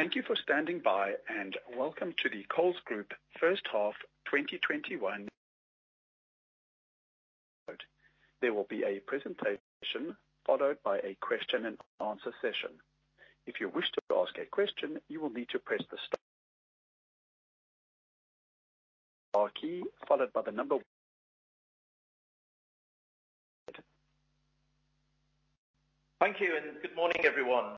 Thank you for standing by and welcome to the Coles Group first half 2021. There will be a presentation followed by a question-and-answer session. If you wish to ask a question, you will need to press the key followed by the number. Thank you, and good morning, everyone.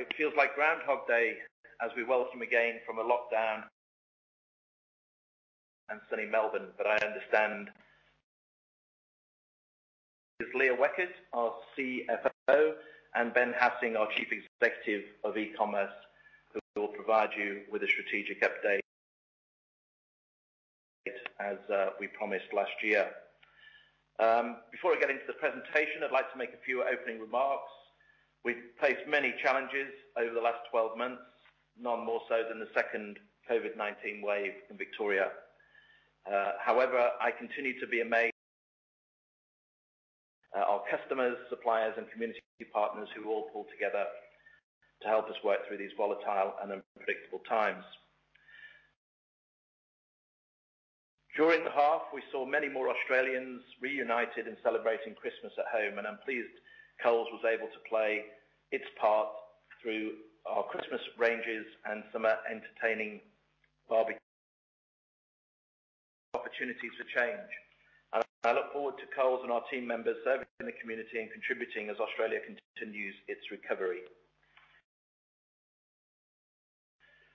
It feels like Groundhog Day as we welcome again from a lockdown and sunny Melbourne, but I understand. It is Leah Weckert, our CFO, and Ben Hassing, our Chief Executive of eCommerce, who will provide you with a strategic update as we promised last year. Before I get into the presentation, I'd like to make a few opening remarks. We've faced many challenges over the last 12 months, none more so than the second COVID-19 wave in Victoria. However, I continue to be amazed at our customers, suppliers, and community partners who all pull together to help us work through these volatile and unpredictable times. During the half, we saw many more Australians reunited and celebrating Christmas at home, and I'm pleased Coles was able to play its part through our Christmas ranges and some entertaining opportunities for change. I look forward to Coles and our team members serving the community and contributing as Australia continues its recovery.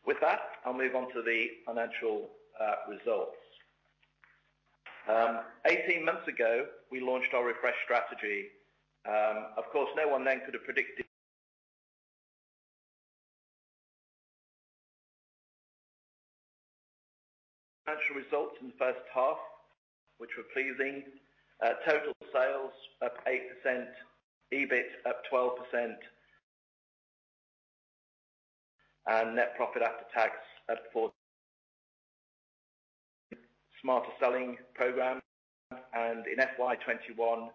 With that, I'll move on to the financial results. Eighteen months ago, we launched our refresh strategy. Of course, no one then could have predicted financial results in the first half, which were pleasing. Total sales up 8%, EBIT up 12%, and net profit after tax up for Smarter Selling program. And in FY 2021,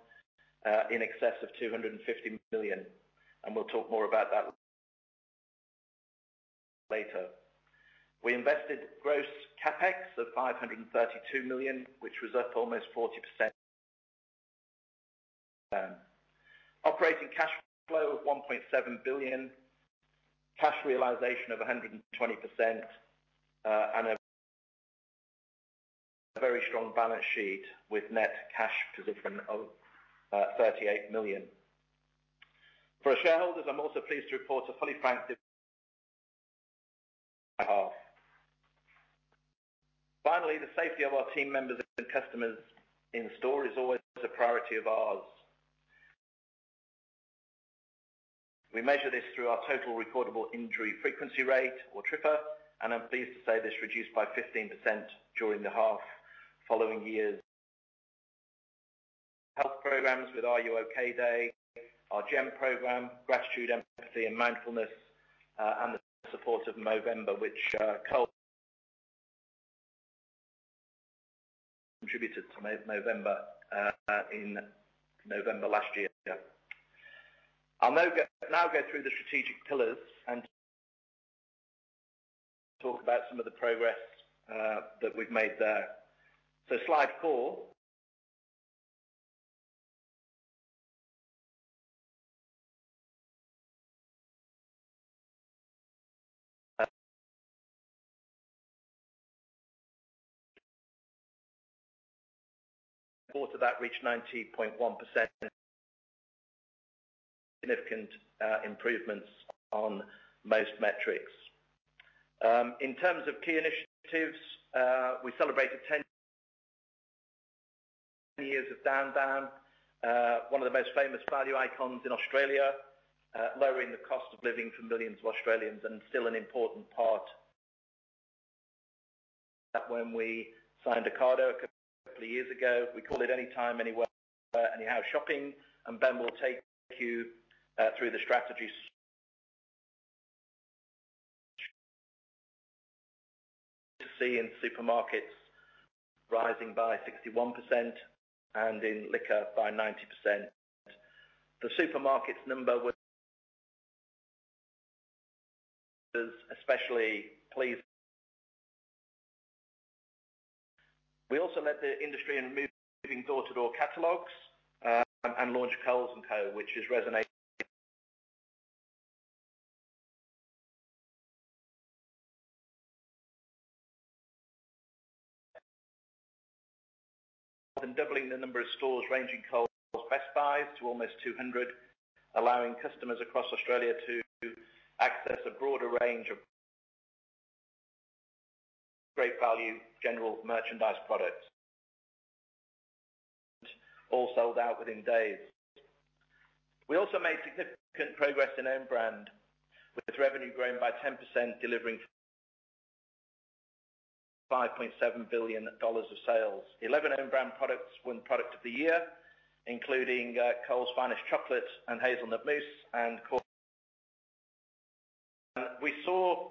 in excess of 250 million, and we'll talk more about that later. We invested gross CapEx of 532 million, which was up almost 40%. Operating cash flow of 1.7 billion, cash realization of 120%, and a very strong balance sheet with net cash position of 38 million. For our shareholders, I'm also pleased to report a fully franked half. Finally, the safety of our team members and customers in store is always a priority of ours. We measure this through our total recordable injury frequency rate, or TRIFR, and I'm pleased to say this reduced by 15% during the half. Following years, health programs with R U OK? Day, our GEM program, gratitude, empathy, and mindfulness, and the support of Movember, which Coles contributed to Movember in November last year. I'll now go through the strategic pillars and talk about some of the progress that we've made there. So slide four. Before that, reached 90.1%, significant improvements on most metrics. In terms of key initiatives, we celebrated 10 years of Down Down, one of the most famous value icons in Australia, lowering the cost of living for millions of Australians, and still an important part. When we signed an Ocado deal a couple of years ago, we call it anytime, anywhere, anyhow shopping, and Ben will take you through the strategy to see in supermarkets rising by 61% and in liquor by 90%. We were especially pleased with the supermarkets number. We also led the industry in removing door-to-door catalogs and launched Coles & Co., which is resonating. More than doubling the number of stores ranging Coles Best Buys to almost 200, allowing customers across Australia to access a broader range of great value general merchandise products all sold out within days. We also made significant progress in own-brand, with revenue growing by 10%, delivering 5.7 billion dollars of sales. 11 own-brand products won Product of the Year, including Coles Finest Chocolate and Hazelnut Mousse, and we saw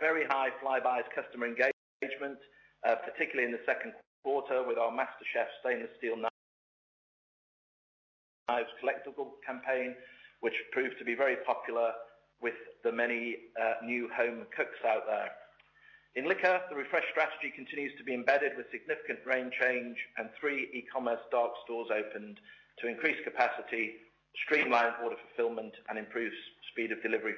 very high Flybuys customer engagement, particularly in the second quarter with our MasterChef stainless steel knives collectible campaign, which proved to be very popular with the many new home cooks out there. In liquor, the refresh strategy continues to be embedded with significant range change and three eCommerce dark stores opened to increase capacity, streamline order fulfillment, and improve speed of delivery.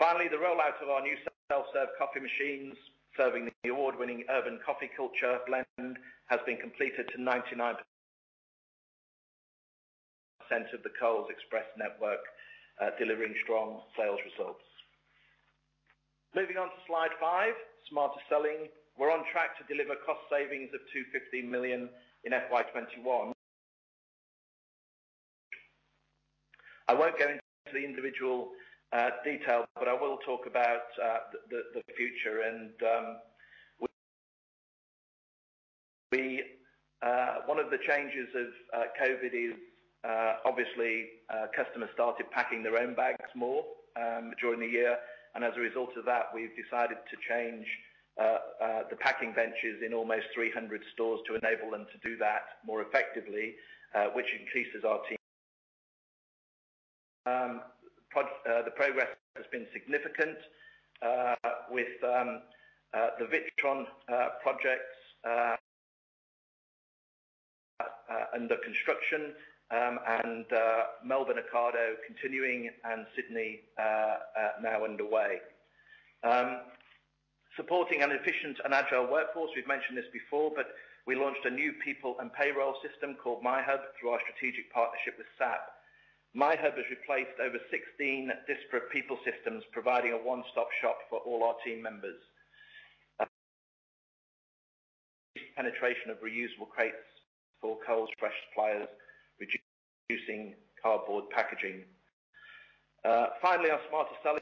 Finally, the rollout of our new self-serve coffee machines, serving the award-winning Urban Coffee Culture blend, has been completed to 99% of the Coles Express network, delivering strong sales results. Moving on to slide five, Smarter Selling. We're on track to deliver cost savings of 250 million in FY 2021. I won't go into the individual detail, but I will talk about the future. One of the changes of COVID is, obviously, customers started packing their own bags more during the year, and as a result of that, we've decided to change the packing benches in almost 300 stores to enable them to do that more effectively, which increases our team. The progress has been significant with the Witron projects under construction and Melbourne Ocado continuing and Sydney now underway. Supporting an efficient and agile workforce, we've mentioned this before, but we launched a new people and payroll system called myHub through our strategic partnership with SAP. myHub has replaced over 16 disparate people systems, providing a one-stop shop for all our team members. Penetration of reusable crates for Coles Fresh suppliers, reducing cardboard packaging. Finally, our Smarter Selling,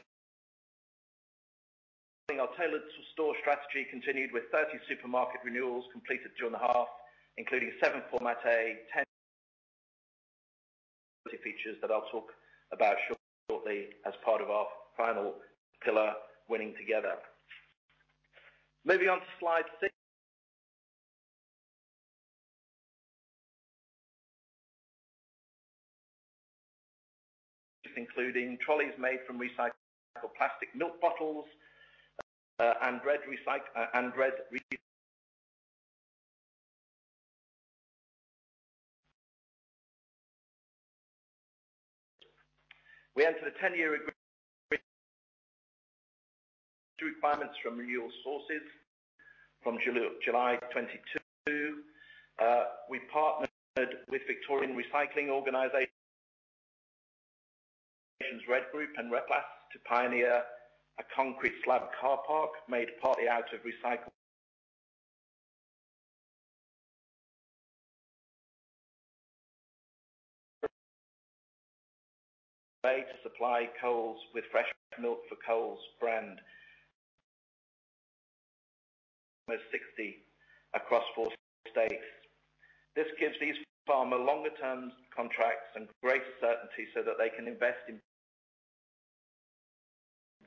our tailored store strategy continued with 30 supermarket renewals completed during the half, including 7 Format A, 10 features that I'll talk about shortly as part of our final pillar Winning Together. Moving on to slide six, including trolleys made from recycled plastic milk bottles and RED. We entered a 10-year agreement with requirements from renewal sources from July 2022. We partnered with Victorian recycling organizations, RED Group and Replas, to pioneer a concrete slab car park made partly out of recycled bags to supply Coles with fresh milk for Coles brand, almost 60 across 40 states. This gives these farmers longer-term contracts and greater certainty so that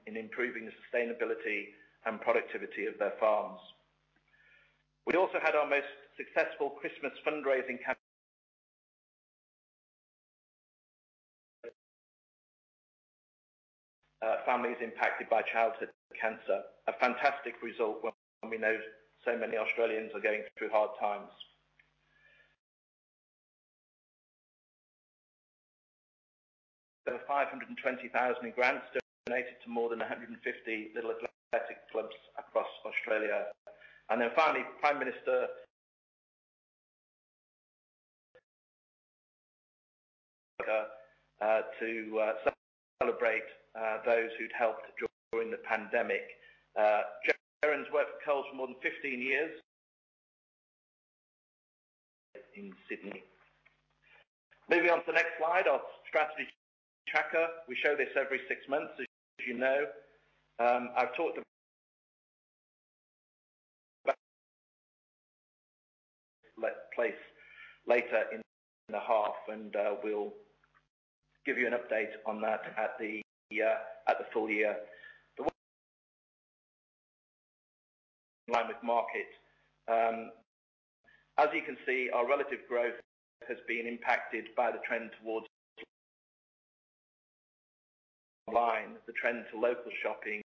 they can invest in improving the sustainability and productivity of their farms. We also had our most successful Christmas fundraising campaign for families impacted by childhood cancer, a fantastic result when we know so many Australians are going through hard times. There were 520,000 in grants donated to more than 150 Little Athletics clubs across Australia. And then finally, Prime Minister to celebrate those who'd helped during the pandemic. Terence worked for Coles for more than 15 years in Sydney. Moving on to the next slide, our strategy tracker. We show this every six months, as you know. I've talked about this place later in the half, and we'll give you an update on that at the full year. In line with market, as you can see, our relative growth has been impacted by the trend to local shopping,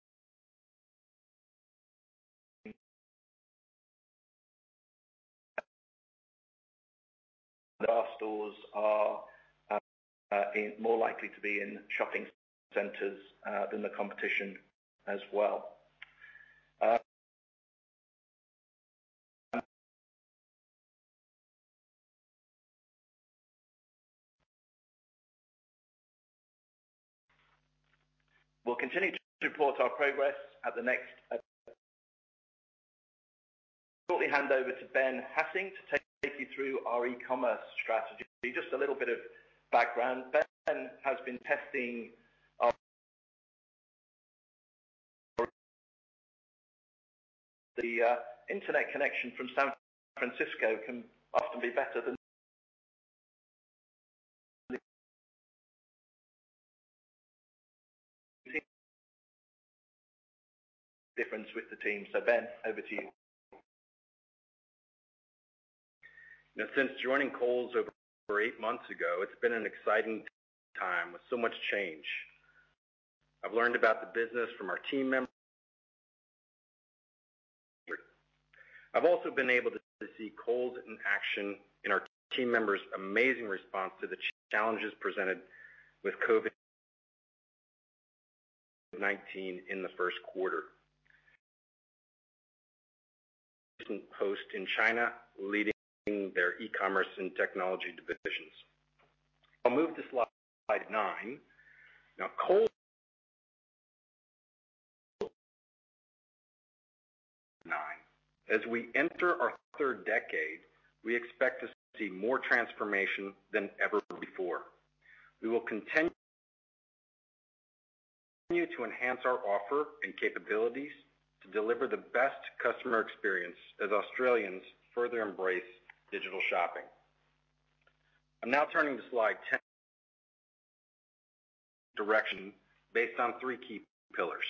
and our stores are more likely to be in shopping centers than the competition as well. We'll continue to report our progress at the next. Shortly hand over to Ben Hassing to take you through our eCommerce strategy. Just a little bit of background. Ben has been testing our internet connection. The internet connection from San Francisco can often be better than the difference with the team. So Ben, over to you. Since joining Coles over eight months ago, it's been an exciting time with so much change. I've learned about the business from our team members. I've also been able to see Coles in action in our team members' amazing response to the challenges presented with COVID-19 in the first quarter. Posted in China leading their eCommerce and technology divisions. I'll move to slide nine. Now, slide nine. As we enter our third decade, we expect to see more transformation than ever before. We will continue to enhance our offer and capabilities to deliver the best customer experience as Australians further embrace digital shopping. I'm now turning to slide 10, direction based on three key pillars.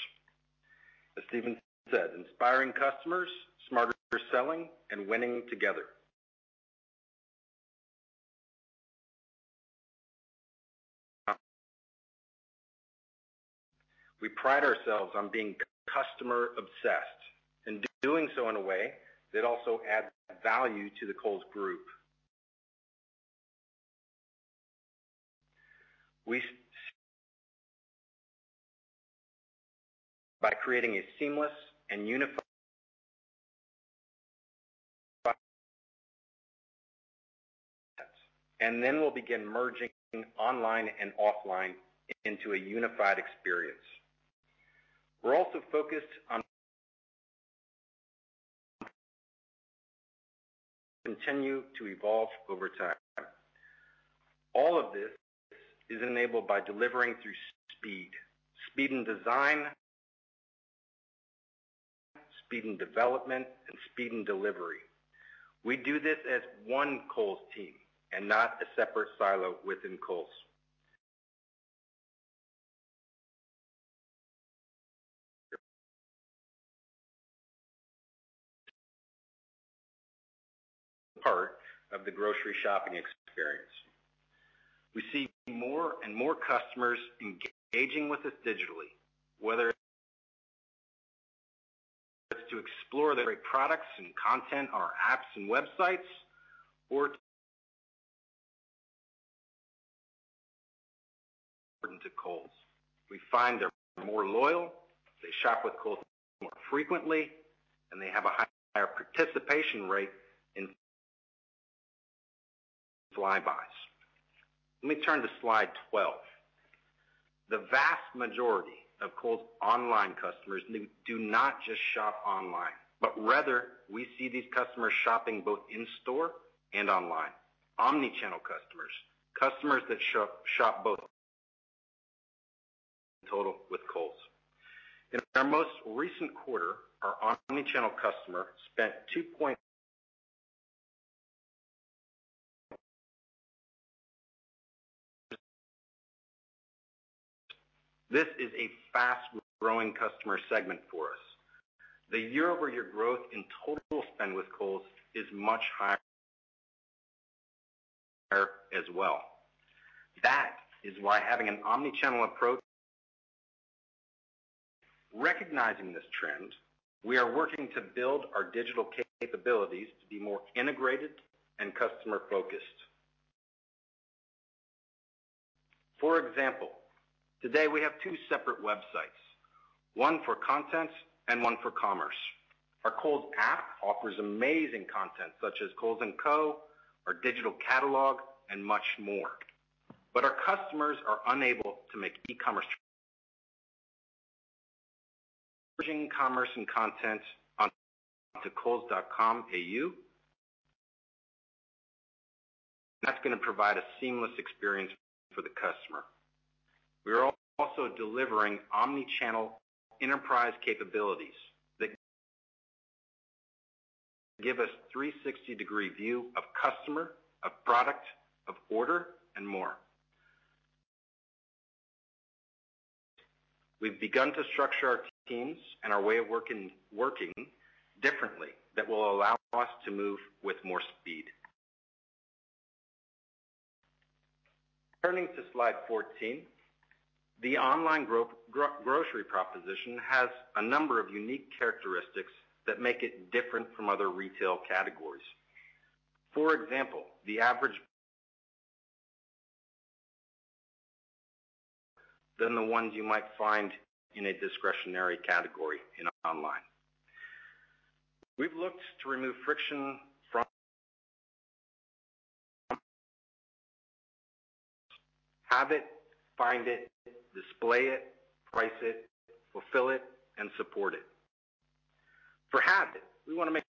As Steven said, Inspiring Customers, Smarter Selling, and Winning Together. We pride ourselves on being customer-obsessed and doing so in a way that also adds value to the Coles Group. By creating a seamless and unified and then we'll begin merging online and offline into a unified experience. We're also focused on continuing to evolve over time. All of this is enabled by delivering through speed, speed and design, speed and development, and speed and delivery. We do this as one Coles team and not a separate silo within Coles. Part of the grocery shopping experience. We see more and more customers engaging with us digitally, whether it's to explore the great products and content on our apps and websites or to Coles. We find they're more loyal, they shop with Coles more frequently, and they have a higher participation rate in Flybuys. Let me turn to slide 12. The vast majority of Coles Online customers do not just shop online, but rather we see these customers shopping both in store and online. Omnichannel customers, customers that shop both in total with Coles. In our most recent quarter, our omnichannel customer spent 2. This is a fast-growing customer segment for us. The year-over-year growth in total spend with Coles is much higher as well. That is why having an omnichannel approach. Recognizing this trend, we are working to build our digital capabilities to be more integrated and customer focused. For example, today we have two separate websites, one for content and one for commerce. Our Coles App offers amazing content such as Coles & Co., our digital catalog, and much more. But our customers are unable to make eCommerce merging commerce and content onto Coles.com.au. That's going to provide a seamless experience for the customer. We are also delivering omnichannel enterprise capabilities that give us a 360-degree view of customer, of product, of order, and more. We've begun to structure our teams and our way of working differently that will allow us to move with more speed. Turning to slide 14, the online grocery proposition has a number of unique characteristics that make it different from other retail categories. For example, the average than the ones you might find in a discretionary category in online. We've looked to remove friction from have it, find it, display it, price it, fulfill it, and support it. For have it, we want to make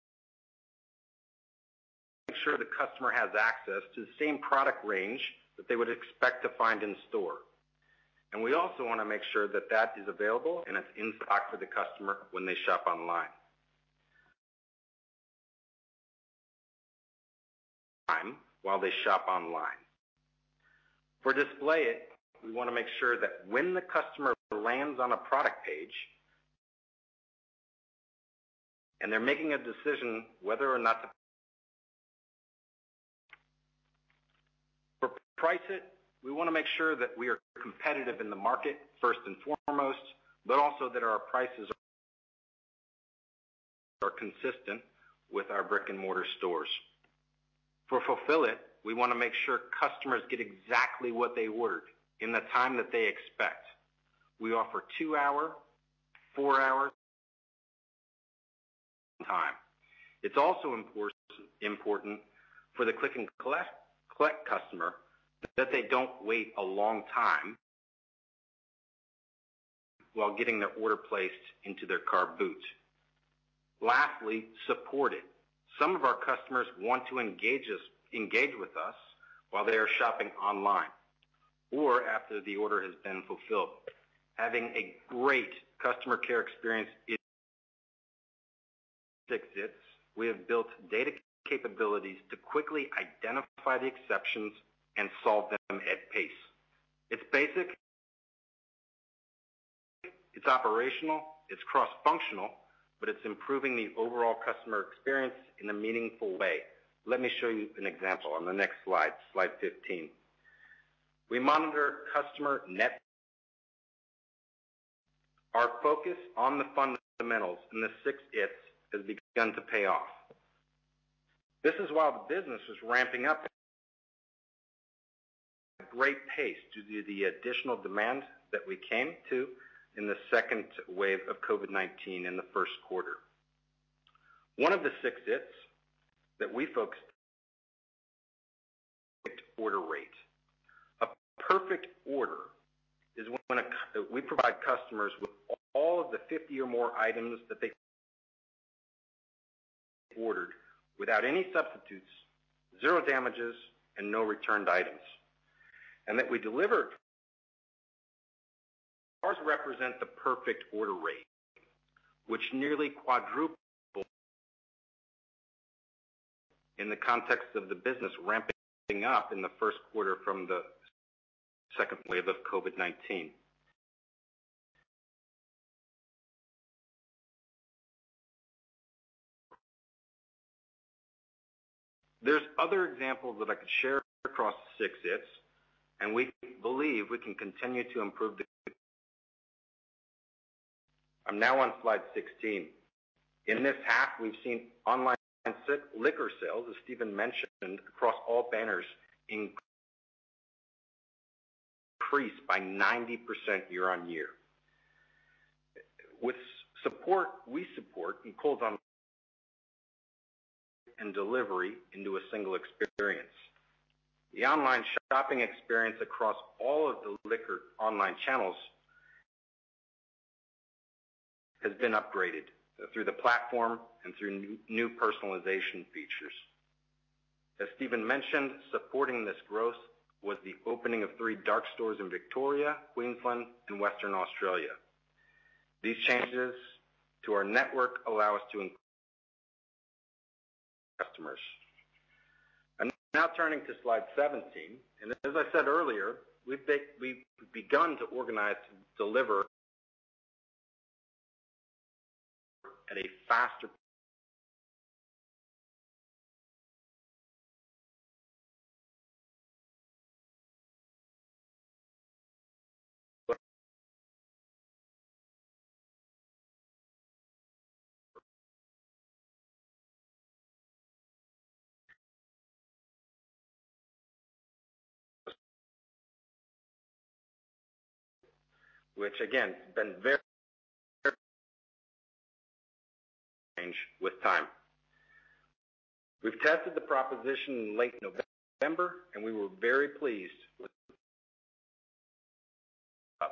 sure the customer has access to the same product range that they would expect to find in store, and we also want to make sure that that is available and it's in stock for the customer when they shop online while they shop online. For display it, we want to make sure that when the customer lands on a product page and they're making a decision whether or not to price it, we want to make sure that we are competitive in the market first and foremost, but also that our prices are consistent with our brick-and-mortar stores. For fulfill it, we want to make sure customers get exactly what they ordered in the time that they expect. We offer two-hour, four-hour time. It's also important Click & Collect customer that they don't wait a long time while getting their order placed into their car boot. Lastly, support it. Some of our customers want to engage with us while they are shopping online or after the order has been fulfilled. Having a great customer care experience fixes it. We have built data capabilities to quickly identify the exceptions and solve them at pace. It's basic, it's operational, it's cross-functional, but it's improving the overall customer experience in a meaningful way. Let me show you an example on the next slide, slide 15. We monitor customer NPS. Our focus on the fundamentals and the Six Its has begun to pay off. This is while the business was ramping up at a great pace due to the additional demand that came to us in the second wave of COVID-19 in the first quarter. One of the Six Its that we focused on order rate. A perfect order is when we provide customers with all of the 50 or more items that they ordered without any substitutes, zero damages, and no returned items. And the orders that we deliver represent the Perfect Order Rate, which nearly quadrupled in the context of the business ramping up in the first quarter from the second wave of COVID-19. There's other examples that I could share across Six Its, and we believe we can continue to improve the. I'm now on slide 16. In this half, we've seen online liquor sales, as Steven mentioned, across all banners increase by 90% year-on-year. With support, we support Coles Online and delivery into a single experience. The online shopping experience across all of the liquor online channels has been upgraded through the platform and through new personalization features. As Steven mentioned, supporting this growth was the opening of three dark stores in Victoria, Queensland, and Western Australia. These changes to our network allow us to serve customers. Now turning to slide 17, and as I said earlier, we've begun to organize to deliver at a faster pace, which, again, has been very challenging this time. We've tested the proposition in late November, and we were very pleased with how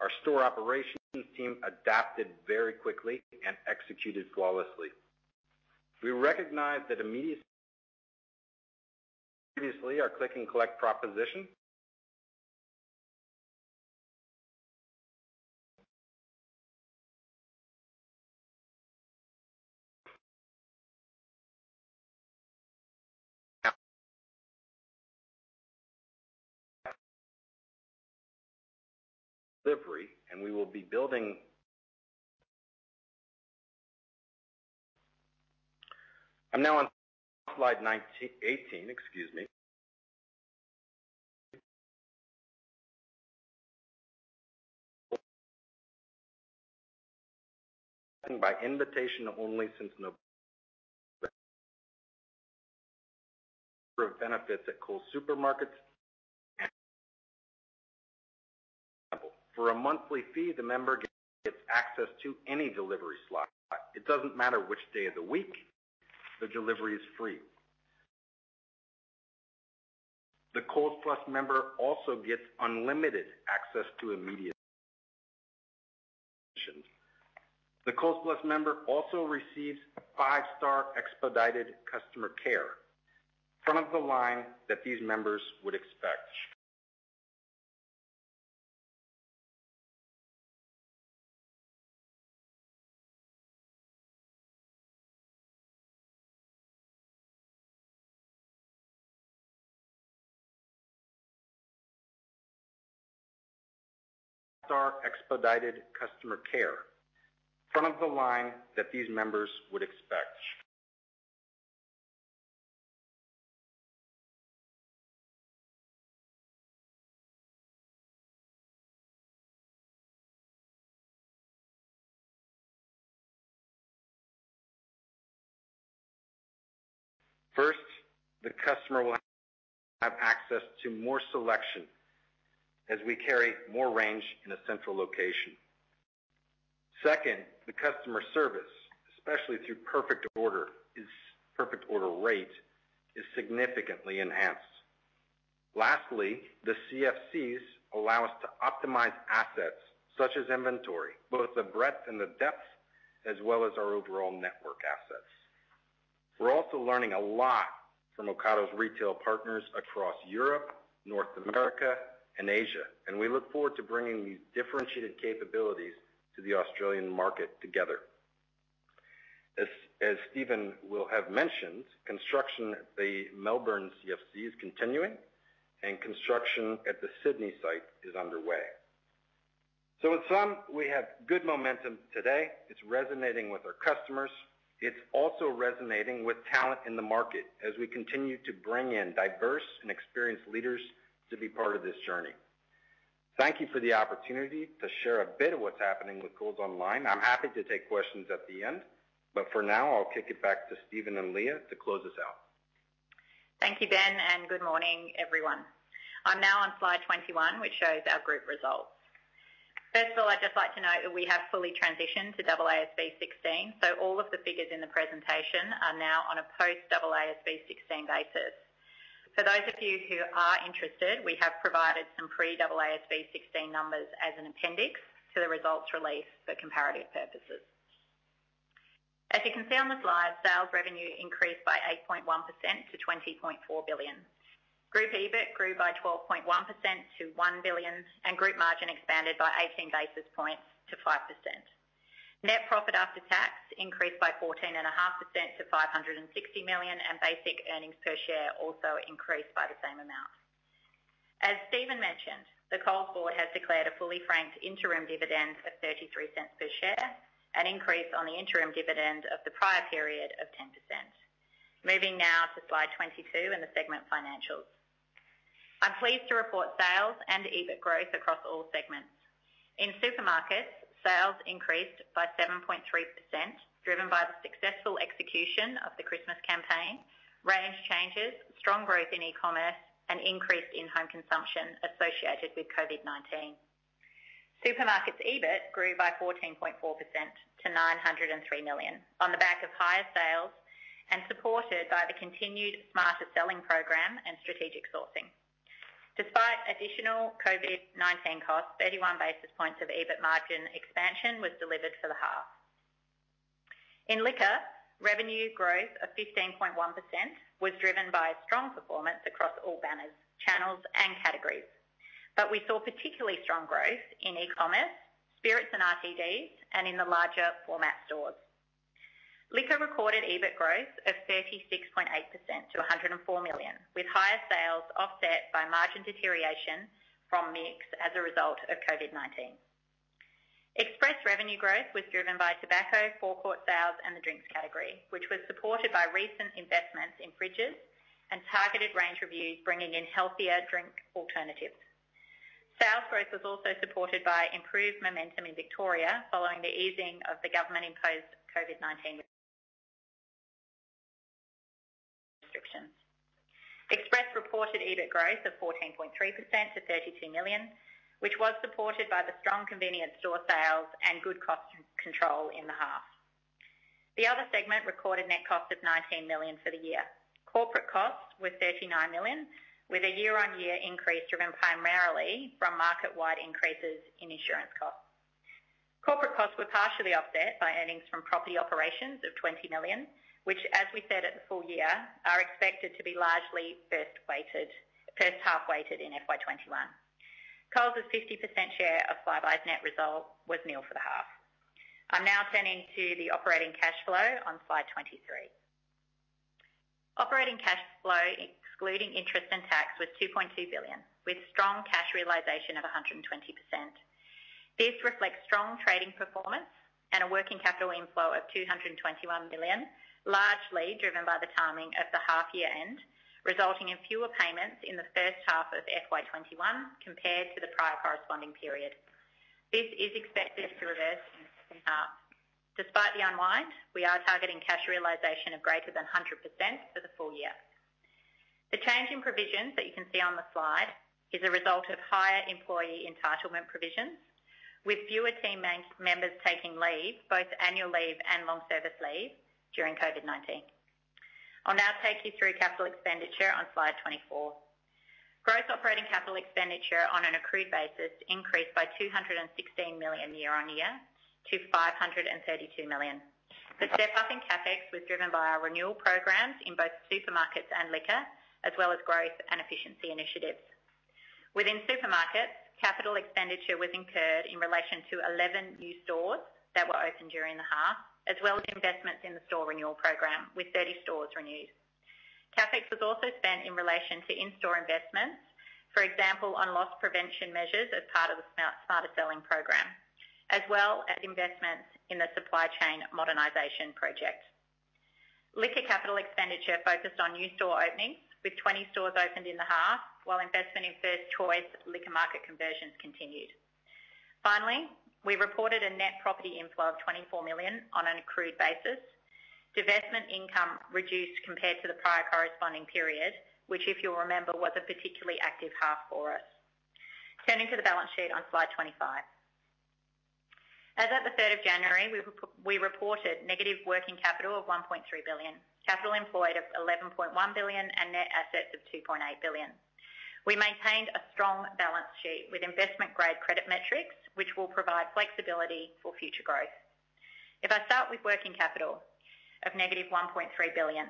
our store operations team adapted very quickly and executed flawlessly. We recognize that previously our Click & Collect proposition lacked delivery, and we will be building on that. I'm now on slide 18, excuse me. By invitation only Coles Plus for benefits at Coles Supermarkets. For a monthly fee, the member gets access to any delivery slot. It doesn't matter which day of the week; the delivery is free. The Coles Plus member also receives five-star expedited customer care, front of the line that these members would expect. First, the customer will have access to more selection as we carry more range in a central location. Second, the customer service, especially through Perfect Order Rate, is significantly enhanced. Lastly, the CFCs allow us to optimize assets such as inventory, both the breadth and the depth, as well as our overall network assets. We're also learning a lot from Ocado's retail partners across Europe, North America, and Asia, and we look forward to bringing these differentiated capabilities to the Australian market together. As Steven will have mentioned, construction at the Melbourne CFC is continuing, and construction at the Sydney site is underway. So in sum, we have good momentum today. It's resonating with our customers. It's also resonating with talent in the market as we continue to bring in diverse and experienced leaders to be part of this journey. Thank you for the opportunity to share a bit of what's happening with Coles Online. I'm happy to take questions at the end, but for now, I'll kick it back to Steven and Leah to close us out. Thank you, Ben, and good morning, everyone. I'm now on slide 21, which shows our group results. First of all, I'd just like to note that we have fully transitioned to AASB 16, so all of the figures in the presentation are now on a post-AASB 16 basis. For those of you who are interested, we have provided some pre-AASB 16 numbers as an appendix to the results release for comparative purposes. As you can see on the slide, sales revenue increased by 8.1% to 20.4 billion. Group EBIT grew by 12.1% to 1 billion, and group margin expanded by 18 basis points to 5%. Net profit after tax increased by 14.5% to 560 million, and basic earnings per share also increased by the same amount. As Steven mentioned, the Coles Board has declared a fully franked interim dividend of 0.33 per share, an increase on the interim dividend of the prior period of 10%. Moving now to slide 22 in the segment financials. I'm pleased to report sales and EBIT growth across all segments. In supermarkets, sales increased by 7.3%, driven by the successful execution of the Christmas campaign, range changes, strong growth in eCommerce, and increased in-home consumption associated with COVID-19. Supermarkets' EBIT grew by 14.4% to 903 million on the back of higher sales and supported by the continued Smarter Selling program and strategic sourcing. Despite additional COVID-19 costs, 31 basis points of EBIT margin expansion was delivered for the half. In liquor, revenue growth of 15.1% was driven by strong performance across all banners, channels, and categories, but we saw particularly strong growth in eCommerce, spirits, and RTDs, and in the larger format stores. Liquor recorded EBIT growth of 36.8% to 104 million, with higher sales offset by margin deterioration from mix as a result of COVID-19. Express revenue growth was driven by tobacco, forecourt sales, and the drinks category, which was supported by recent investments in fridges and targeted range reviews bringing in healthier drink alternatives. Sales growth was also supported by improved momentum in Victoria following the easing of the government-imposed COVID-19 restrictions. Express reported EBIT growth of 14.3% to 32 million, which was supported by the strong convenience store sales and good cost control in the half. The other segment recorded net cost of 19 million for the year. Corporate costs were 39 million, with a year-on-year increase driven primarily from market-wide increases in insurance costs. Corporate costs were partially offset by earnings from property operations of 20 million, which, as we said at the full year, are expected to be largely first half-weighted in FY 2021. Coles' 50% share of Flybuys' net result was nil for the half. I'm now turning to the operating cash flow on slide 23. Operating cash flow, excluding interest and tax, was AUD 2.2 billion, with strong cash realization of 120%. This reflects strong trading performance and a working capital inflow of 221 million, largely driven by the timing of the half-year end, resulting in fewer payments in the first half of FY 2021 compared to the prior corresponding period. This is expected to reverse in half. Despite the unwind, we are targeting cash realization of greater than 100% for the full year. The change in provisions that you can see on the slide is a result of higher employee entitlement provisions, with fewer team members taking leave, both annual leave and long-service leave, during COVID-19. I'll now take you through capital expenditure on slide 24. Gross operating capital expenditure on an accrued basis increased by 216 million year-on-year to 532 million. The step-up in CapEx was driven by our renewal programs in both supermarkets and liquor, as well as growth and efficiency initiatives. Within supermarkets, capital expenditure was incurred in relation to 11 new stores that were opened during the half, as well as investments in the store renewal program, with 30 stores renewed. CapEx was also spent in relation to in-store investments, for example, on loss prevention measures as part of the Smarter Selling program, as well as investments in the supply chain modernization project. Liquor capital expenditure focused on new store openings, with 20 stores opened in the half, while investment in First Choice Liquor Market conversions continued. Finally, we reported a net property inflow of 24 million on an accrued basis. Divestment income reduced compared to the prior corresponding period, which, if you'll remember, was a particularly active half for us. Turning to the balance sheet on slide 25. As of the 3rd of January, we reported negative working capital of 1.3 billion, capital employed of 11.1 billion, and net assets of 2.8 billion. We maintained a strong balance sheet with investment-grade credit metrics, which will provide flexibility for future growth. If I start with working capital of -1.3 billion,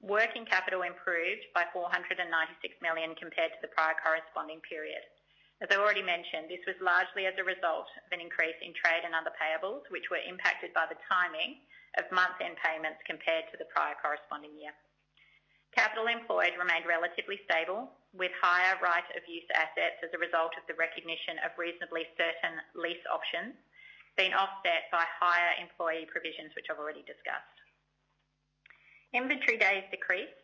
working capital improved by 496 million compared to the prior corresponding period. As I already mentioned, this was largely as a result of an increase in trade and other payables, which were impacted by the timing of month-end payments compared to the prior corresponding year. Capital employed remained relatively stable, with higher right-of-use assets as a result of the recognition of reasonably certain lease options being offset by higher employee provisions, which I've already discussed. Inventory days decreased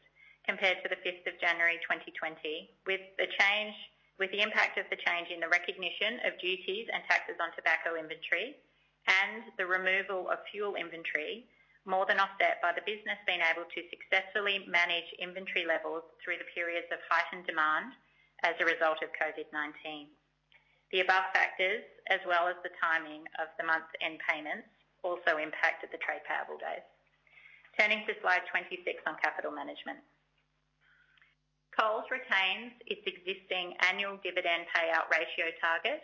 compared to the 5th of January 2020, with the impact of the change in the recognition of duties and taxes on tobacco inventory and the removal of fuel inventory more than offset by the business being able to successfully manage inventory levels through the periods of heightened demand as a result of COVID-19. The above factors, as well as the timing of the month-end payments, also impacted the trade payable days. Turning to slide 26 on capital management. Coles retains its existing annual dividend payout ratio target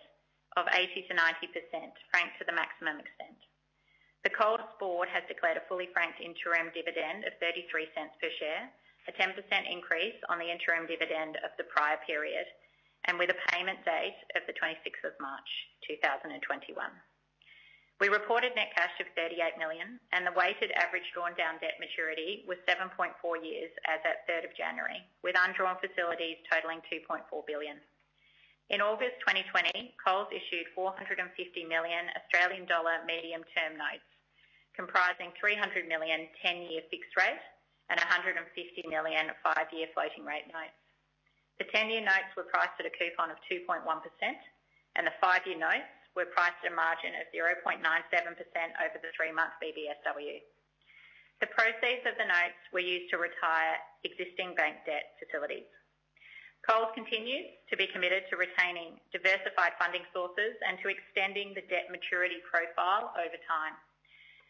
of 80%-90%, franked to the maximum extent. The Coles Board has declared a fully franked interim dividend of 0.33 per share, a 10% increase on the interim dividend of the prior period, and with a payment date of the 26th of March 2021. We reported net cash of 38 million, and the weighted average drawn-down debt maturity was 7.4 years as of 3rd of January, with undrawn facilities totaling 2.4 billion. In August 2020, Coles issued 450 million Australian dollar medium-term notes, comprising 300 million 10-year fixed rate and 150 million 5-year floating rate notes. The 10-year notes were priced at a coupon of 2.1%, and the 5-year notes were priced at a margin of 0.97% over the three-month BBSW. The proceeds of the notes were used to retire existing bank debt facilities. Coles continues to be committed to retaining diversified funding sources and to extending the debt maturity profile over time.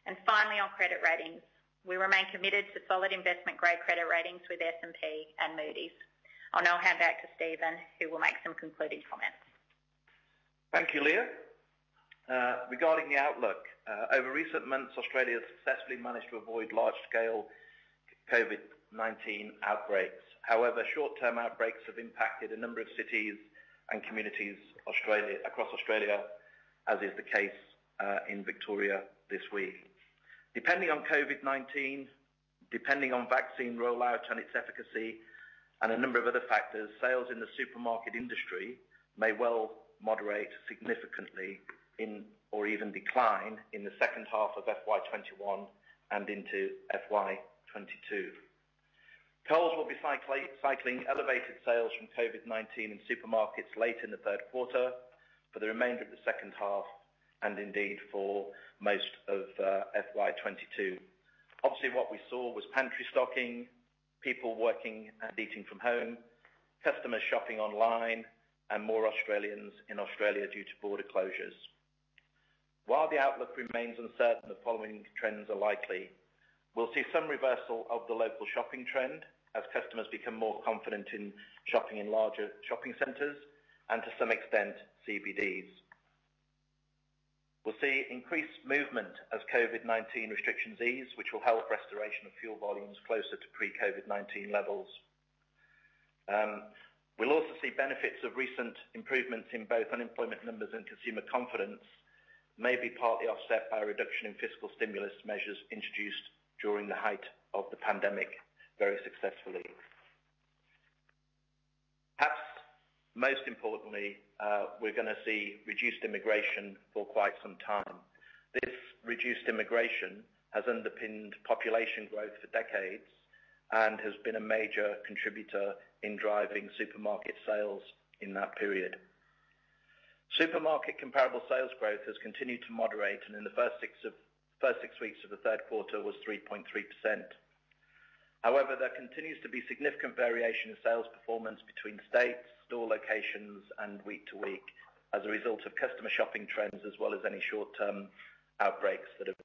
And finally, on credit ratings, we remain committed to solid investment-grade credit ratings with S&P and Moody's. I'll now hand back to Steven, who will make some concluding comments. Thank you, Leah. Regarding the outlook, over recent months, Australia has successfully managed to avoid large-scale COVID-19 outbreaks. However, short-term outbreaks have impacted a number of cities and communities across Australia, as is the case in Victoria this week. Depending on COVID-19, depending on vaccine rollout and its efficacy, and a number of other factors, sales in the supermarket industry may well moderate significantly or even decline in the second half of FY 2021 and into FY 2022. Coles will be cycling elevated sales from COVID-19 in supermarkets late in the third quarter for the remainder of the second half and indeed for most of FY 2022. Obviously, what we saw was pantry stocking, people working and eating from home, customers shopping online, and more Australians in Australia due to border closures. While the outlook remains uncertain, the following trends are likely. We'll see some reversal of the local shopping trend as customers become more confident in shopping in larger shopping centers and, to some extent, CBDs. We'll see increased movement as COVID-19 restrictions ease, which will help restoration of fuel volumes closer to pre-COVID-19 levels. We'll also see benefits of recent improvements in both unemployment numbers and consumer confidence, maybe partly offset by a reduction in fiscal stimulus measures introduced during the height of the pandemic very successfully. Perhaps most importantly, we're going to see reduced immigration for quite some time. This reduced immigration has underpinned population growth for decades and has been a major contributor in driving supermarket sales in that period. Supermarket comparable sales growth has continued to moderate, and in the first six weeks of the third quarter, it was 3.3%. However, there continues to be significant variation in sales performance between states, store locations, and week to week as a result of customer shopping trends as well as any short-term outbreaks that have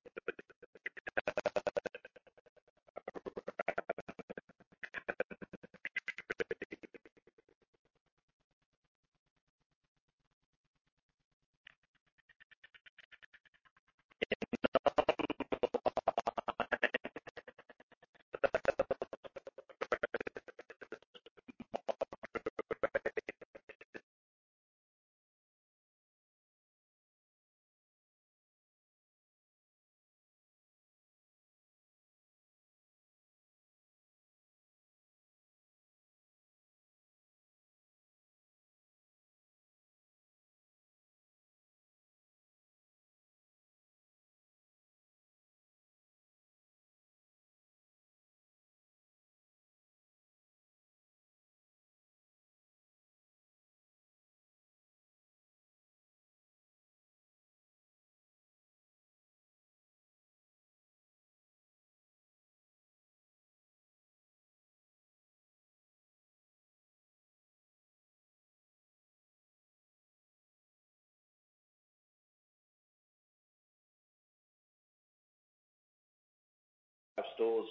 occurred.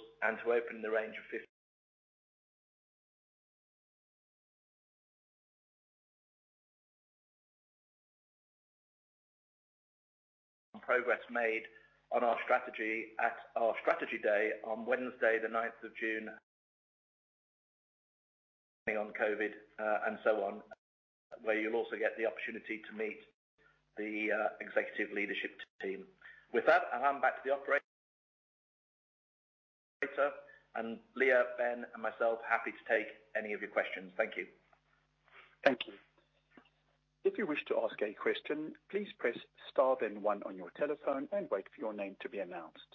Progress made on our strategy at our strategy day on Wednesday, the 9th of June, on COVID and so on, where you'll also get the opportunity to meet the executive leadership team. With that, I'll hand back to the operator, and Leah, Ben, and myself, happy to take any of your questions. Thank you. Thank you. If you wish to ask a question, please press star then one on your telephone and wait for your name to be announced.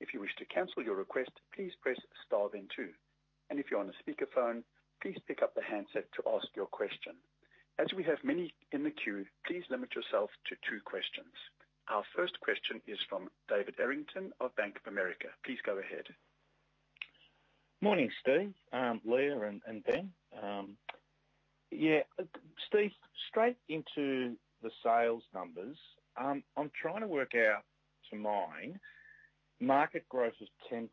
If you wish to cancel your request, please press star then two. And if you're on a speakerphone, please pick up the handset to ask your question. As we have many in the queue, please limit yourself to two questions. Our first question is from David Errington of Bank of America. Please go ahead. Morning, Steve, Leah, and Ben. Yeah, Steve, straight into the sales numbers, I'm trying to work out the minus market growth of 10%.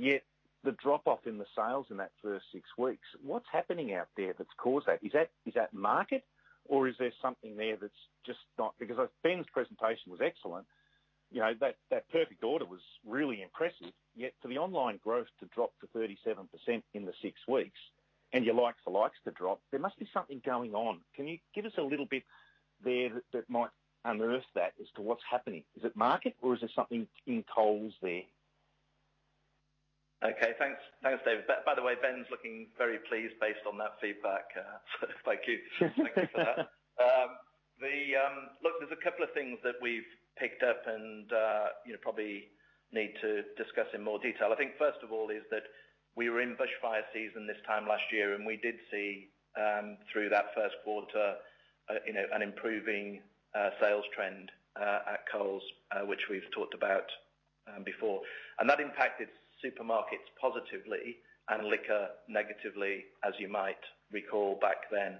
Yeah, the drop-off in the sales in that first six weeks, what's happening out there that's caused that? Is that market, or is there something there that's just not? Because Ben's presentation was excellent. That perfect order was really impressive. Yet for the online growth to drop to 37% in the six weeks and your likes to likes to drop, there must be something going on. Can you give us a little bit there that might unearth that as to what's happening? Is it market, or is there something in Coles there? Okay, thanks, David. By the way, Ben's looking very pleased based on that feedback. Thank you. Thank you for that. Look, there's a couple of things that we've picked up and probably need to discuss in more detail. I think first of all is that we were in bushfire season this time last year, and we did see through that first quarter an improving sales trend at Coles, which we've talked about before. And that impacted supermarkets positively and liquor negatively, as you might recall back then.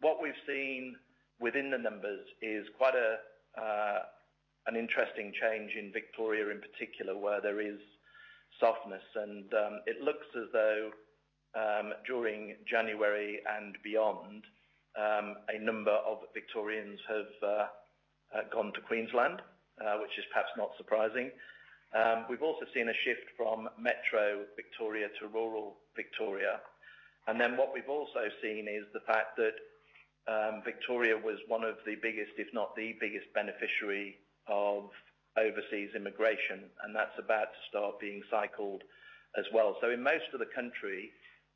What we've seen within the numbers is quite an interesting change in Victoria in particular, where there is softness. And it looks as though during January and beyond, a number of Victorians have gone to Queensland, which is perhaps not surprising. We've also seen a shift from metro Victoria to rural Victoria. Then what we've also seen is the fact that Victoria was one of the biggest, if not the biggest beneficiary of overseas immigration, and that's about to start being cycled as well. In most of the country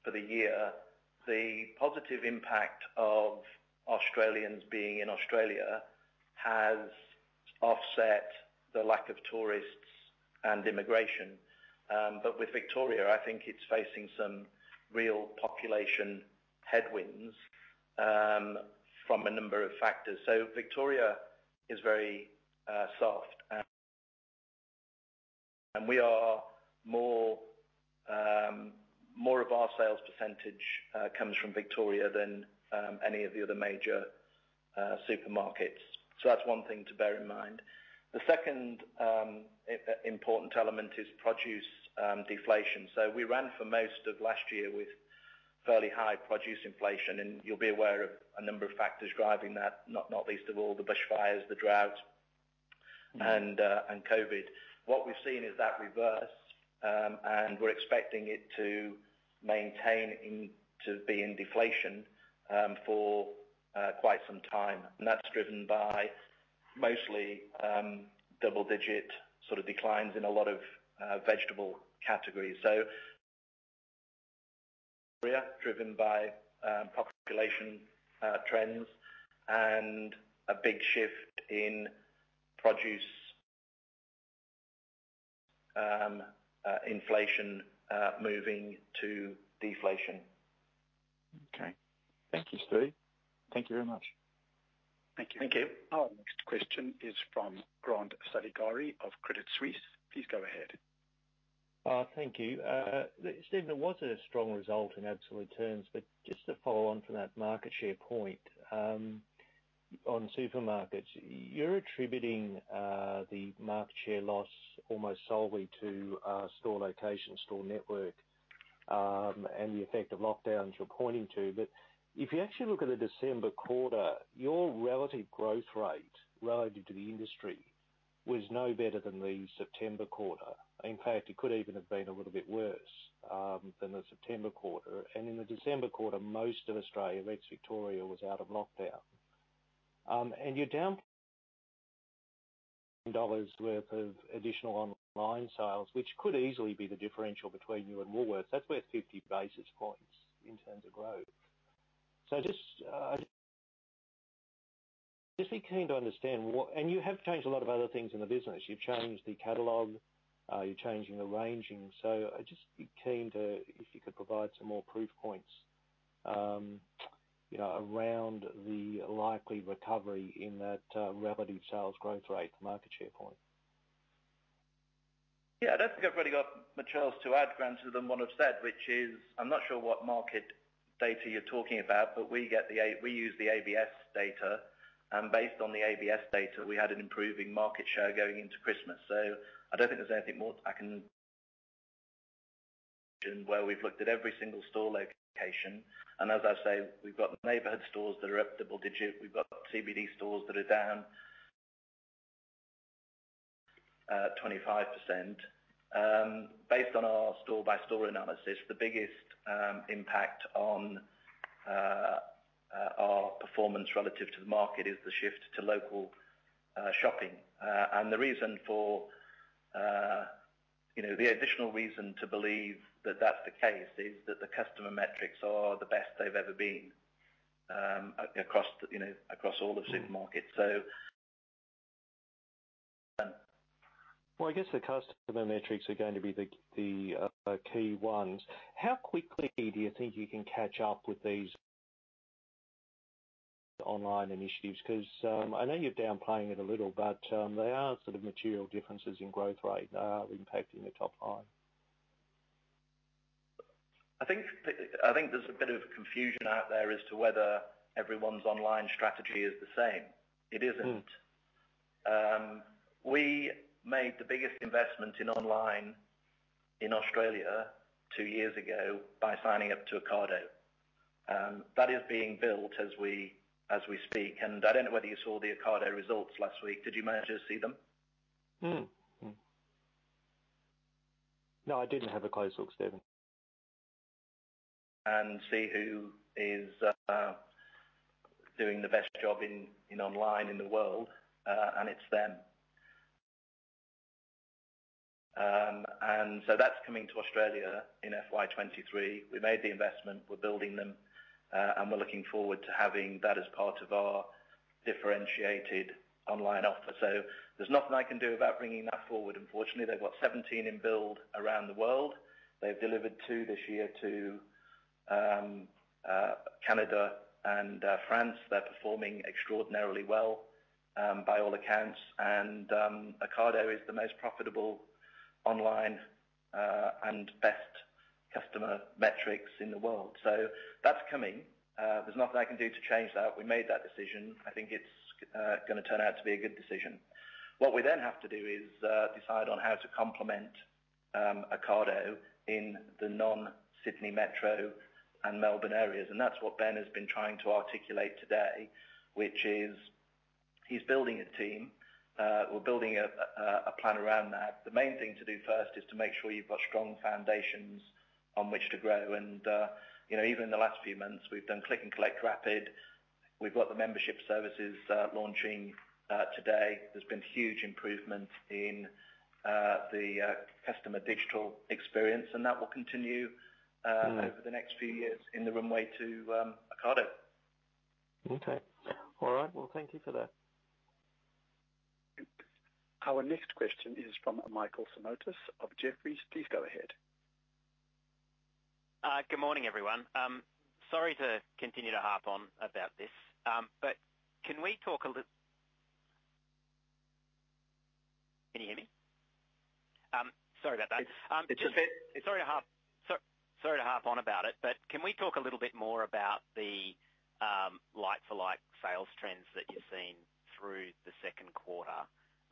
for the year, the positive impact of Australians being in Australia has offset the lack of tourists and immigration. With Victoria, I think it's facing some real population headwinds from a number of factors. Victoria is very soft, and more of our sales percentage comes from Victoria than any of the other major supermarkets. That's one thing to bear in mind. The second important element is produce deflation. We ran for most of last year with fairly high produce inflation, and you'll be aware of a number of factors driving that, not least of all the bushfires, the droughts, and COVID. What we've seen is the reverse, and we're expecting it to maintain to be in deflation for quite some time, and that's driven by mostly double-digit sort of declines in a lot of vegetable categories, so driven by population trends and a big shift in produce inflation moving to deflation. Okay. Thank you, Steve. Thank you very much. Thank you. Thank you. Our next question is from Grant Saligari of Credit Suisse. Please go ahead. Thank you. Steven, it was a strong result in absolute terms, but just to follow on from that market share point on supermarkets, you're attributing the market share loss almost solely to store location, store network, and the effect of lockdowns you're pointing to. But if you actually look at the December quarter, your relative growth rate relative to the industry was no better than the September quarter. In fact, it could even have been a little bit worse than the September quarter. And in the December quarter, most of Australia, ex-Victoria, was out of lockdown. And you're down AUD 10 worth of additional online sales, which could easily be the differential between you and Woolworths. That's worth 50 basis points in terms of growth. So just be keen to understand what, and you have changed a lot of other things in the business. You've changed the catalog. You're changing the ranging. Just be keen to, if you could provide some more proof points around the likely recovery in that relative sales growth rate, market share point. Yeah, I don't think I've really got much else to add, Grant, other than what I've said, which is I'm not sure what market data you're talking about, but we use the ABS data. And based on the ABS data, we had an improving market share going into Christmas. So I don't think there's anything more I can mention where we've looked at every single store location. And as I say, we've got neighborhood stores that are up double digit. We've got CBD stores that are down 25%. Based on our store-by-store analysis, the biggest impact on our performance relative to the market is the shift to local shopping. And the reason for the additional reason to believe that that's the case is that the customer metrics are the best they've ever been across all of supermarkets. So. I guess the customer metrics are going to be the key ones. How quickly do you think you can catch up with these online initiatives? Because I know you're downplaying it a little, but they are sort of material differences in growth rate that are impacting the top line. I think there's a bit of confusion out there as to whether everyone's online strategy is the same. It isn't. We made the biggest investment in online in Australia two years ago by signing up to Ocado. That is being built as we speak. And I don't know whether you saw the Ocado results last week. Did you manage to see them? No, I didn't have a close look, Steven. See who is doing the best job in online in the world, and it's them. That's coming to Australia in FY 2023. We made the investment. We're building them, and we're looking forward to having that as part of our differentiated online offer. There's nothing I can do about bringing that forward. Unfortunately, they've got 17 in build around the world. They've delivered two this year to Canada and France. They're performing extraordinarily well by all accounts. Ocado is the most profitable online and best customer metrics in the world. That's coming. There's nothing I can do to change that. We made that decision. I think it's going to turn out to be a good decision. What we then have to do is decide on how to complement Ocado in the non-Sydney metro and Melbourne areas. And that's what Ben has been trying to articulate today, which is he's building a team. We're building a plan around that. The main thing to do first is to make sure you've got strong foundations on which to grow. And even in the last few months, we've done Click & Collect Rapid. We've got the membership services launching today. There's been huge improvement in the customer digital experience, and that will continue over the next few years in the runway to Ocado. Okay. All right. Well, thank you for that. Our next question is from Michael Simotas of Jefferies. Please go ahead. Good morning, everyone. Sorry to continue to harp on about this, but can we talk a little? Can you hear me? Sorry about that. It's okay. Sorry to harp on about it, but can we talk a little bit more about the like-for-like sales trends that you've seen through the second quarter?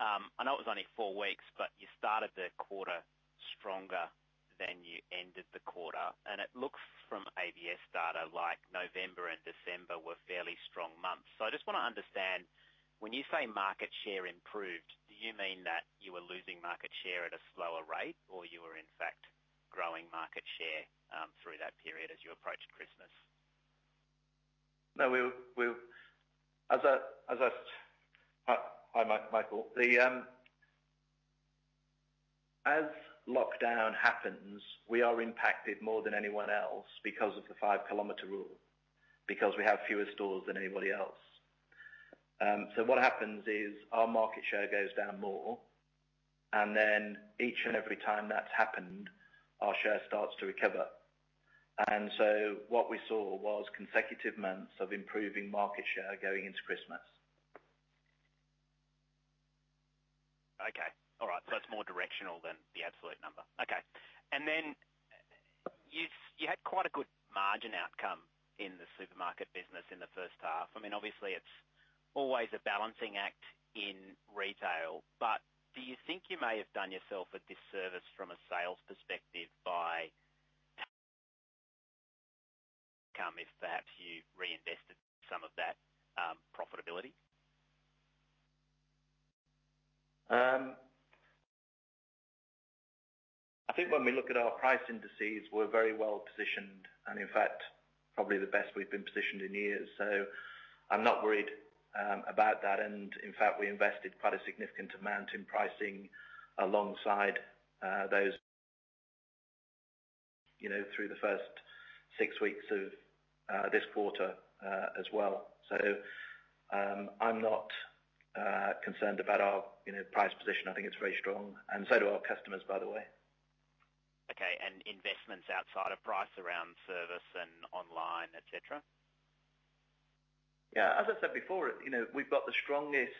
I know it was only four weeks, but you started the quarter stronger than you ended the quarter, and it looks from ABS data like November and December were fairly strong months. So I just want to understand, when you say market share improved, do you mean that you were losing market share at a slower rate, or you were, in fact, growing market share through that period as you approached Christmas? No, as I, hi, Michael. As lockdown happens, we are impacted more than anyone else because of the five-kilometer rule, because we have fewer stores than anybody else, so what happens is our market share goes down more, and then each and every time that's happened, our share starts to recover, and so what we saw was consecutive months of improving market share going into Christmas. Okay. All right. So that's more directional than the absolute number. Okay. And then you had quite a good margin outcome in the supermarket business in the first half. I mean, obviously, it's always a balancing act in retail, but do you think you may have done yourself a disservice from a sales perspective by, if perhaps you reinvested some of that profitability? I think when we look at our price indices, we're very well positioned and, in fact, probably the best we've been positioned in years. So I'm not worried about that. And in fact, we invested quite a significant amount in pricing alongside those through the first six weeks of this quarter as well. So I'm not concerned about our price position. I think it's very strong. And so do our customers, by the way. Okay. And investments outside of price around service and online, etc.? Yeah. As I said before, we've got the strongest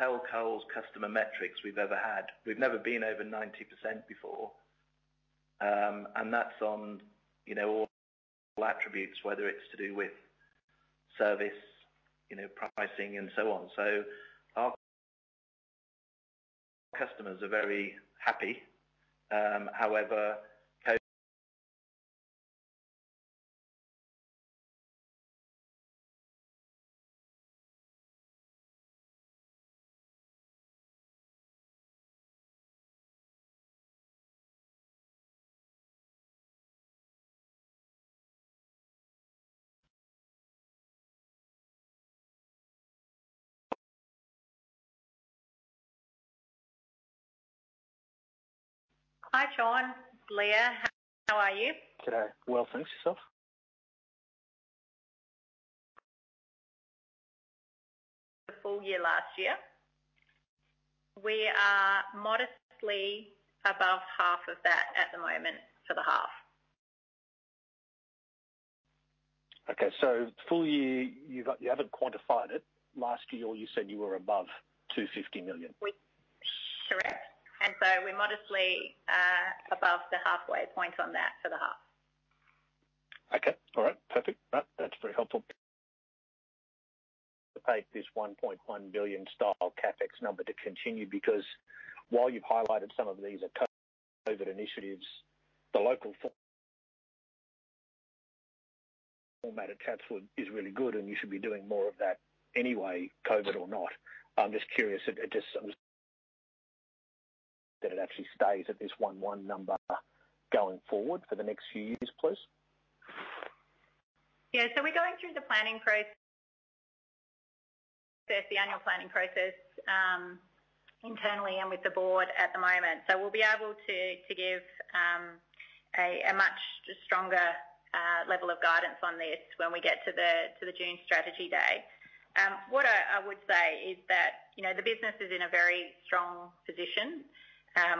telco's customer metrics we've ever had. We've never been over 90% before. And that's on all attributes, whether it's to do with service, pricing, and so on. So our customers are very happy. However. Hi, Shaun. Leah, how are you? Today. Well, thanks. Yourself? The full year last year. We are modestly above half of that at the moment for the half. Okay. So full year, you haven't quantified it. Last year, you said you were above 250 million. Correct, and so we're modestly above the halfway point on that for the half. Okay. All right. Perfect. That's very helpful. I hate this 1.1 billion-sized CapEx number to continue because while you've highlighted some of these COVID initiatives, the low-cost format attacks are really good, and you should be doing more of that anyway, COVID or not. I'm just curious that it actually stays at this 1.1 number going forward for the next few years, please? Yeah. So we're going through the planning process, the annual planning process internally and with the board at the moment. So we'll be able to give a much stronger level of guidance on this when we get to the June strategy day. What I would say is that the business is in a very strong position.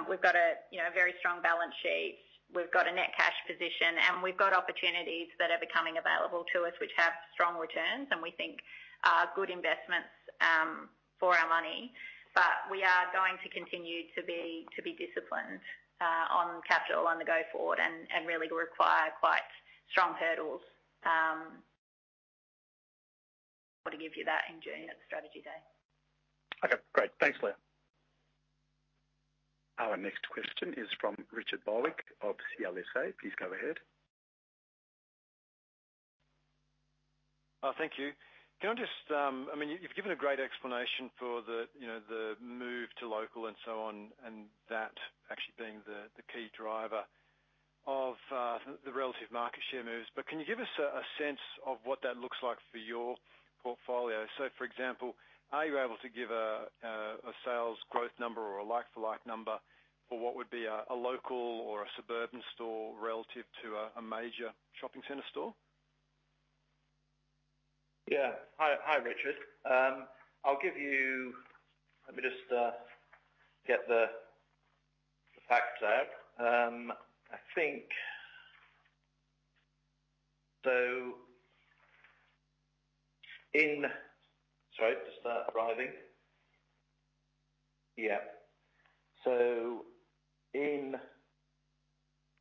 We've got a very strong balance sheet. We've got a net cash position, and we've got opportunities that are becoming available to us, which have strong returns and we think are good investments for our money. But we are going to continue to be disciplined on capital on the go forward and really require quite strong hurdles to give you that in June at strategy day. Okay. Great. Thanks, Leah. Our next question is from Richard Barwick of CLSA. Please go ahead. Thank you. Can I just, I mean, you've given a great explanation for the move to local and so on and that actually being the key driver of the relative market share moves. But can you give us a sense of what that looks like for your portfolio? So, for example, are you able to give a sales growth number or a like-for-like number for what would be a local or a suburban store relative to a major shopping center store? Yeah. Hi, Richard. I'll give you, let me just get the facts out. I think so in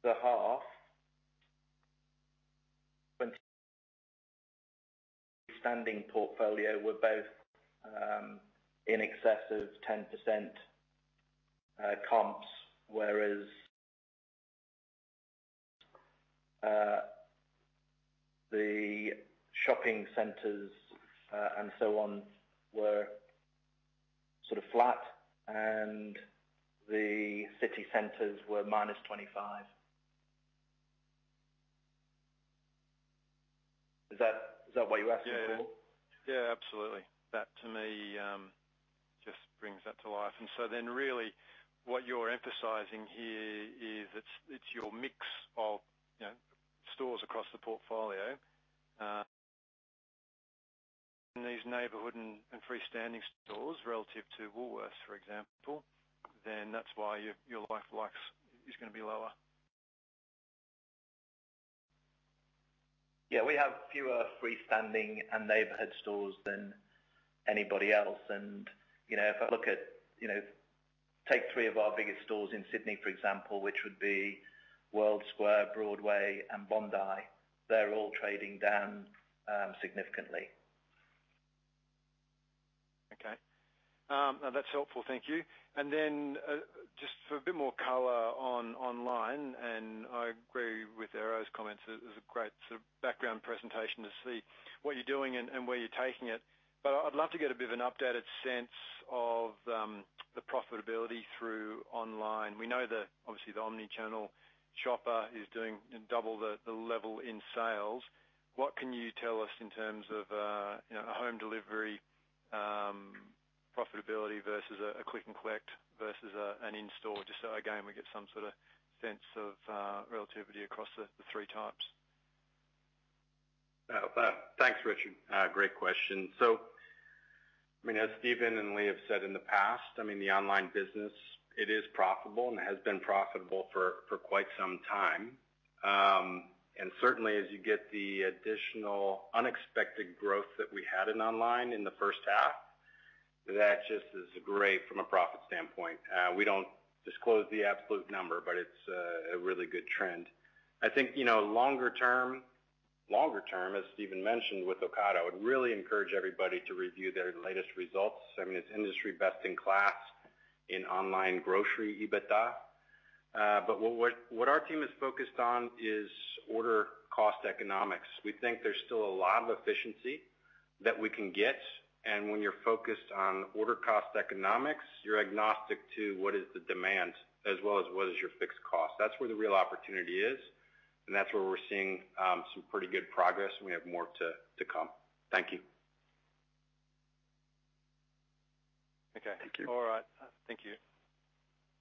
the half, the standing portfolio were both in excess of 10% comps, whereas the shopping centers and so on were sort of flat, and the city centers were -25%. Is that what you're asking for? Yeah. Yeah, absolutely. That, to me, just brings that to life. And so then really what you're emphasizing here is it's your mix of stores across the portfolio. In these neighborhood and freestanding stores relative to Woolworths, for example, then that's why your like-for-like is going to be lower. Yeah. We have fewer freestanding and neighborhood stores than anybody else and if I look at, take three of our biggest stores in Sydney, for example, which would be World Square, Broadway, and Bondi. They're all trading down significantly. Okay. That's helpful. Thank you. And then just for a bit more color on online, and I agree with Errington's comments, it was a great sort of background presentation to see what you're doing and where you're taking it. But I'd love to get a bit of an updated sense of the profitability through online. We know that, obviously, the omnichannel shopper is doing double the level in sales. What can you tell us in terms of a home delivery profitability versus a Click & Collect versus an in-store? Just so again, we get some sort of sense of relativity across the three types. Thanks, Richard. Great question. So, I mean, as Steven and Leah have said in the past, I mean, the online business, it is profitable and has been profitable for quite some time. And certainly, as you get the additional unexpected growth that we had in online in the first half, that just is great from a profit standpoint. We don't disclose the absolute number, but it's a really good trend. I think longer term, as Steven mentioned with Ocado, I would really encourage everybody to review their latest results. I mean, it's industry best in class in online grocery EBITDA. But what our team is focused on is order cost economics. We think there's still a lot of efficiency that we can get. And when you're focused on order cost economics, you're agnostic to what is the demand as well as what is your fixed cost. That's where the real opportunity is, and that's where we're seeing some pretty good progress, and we have more to come. Thank you. Okay. Thank you. All right. Thank you.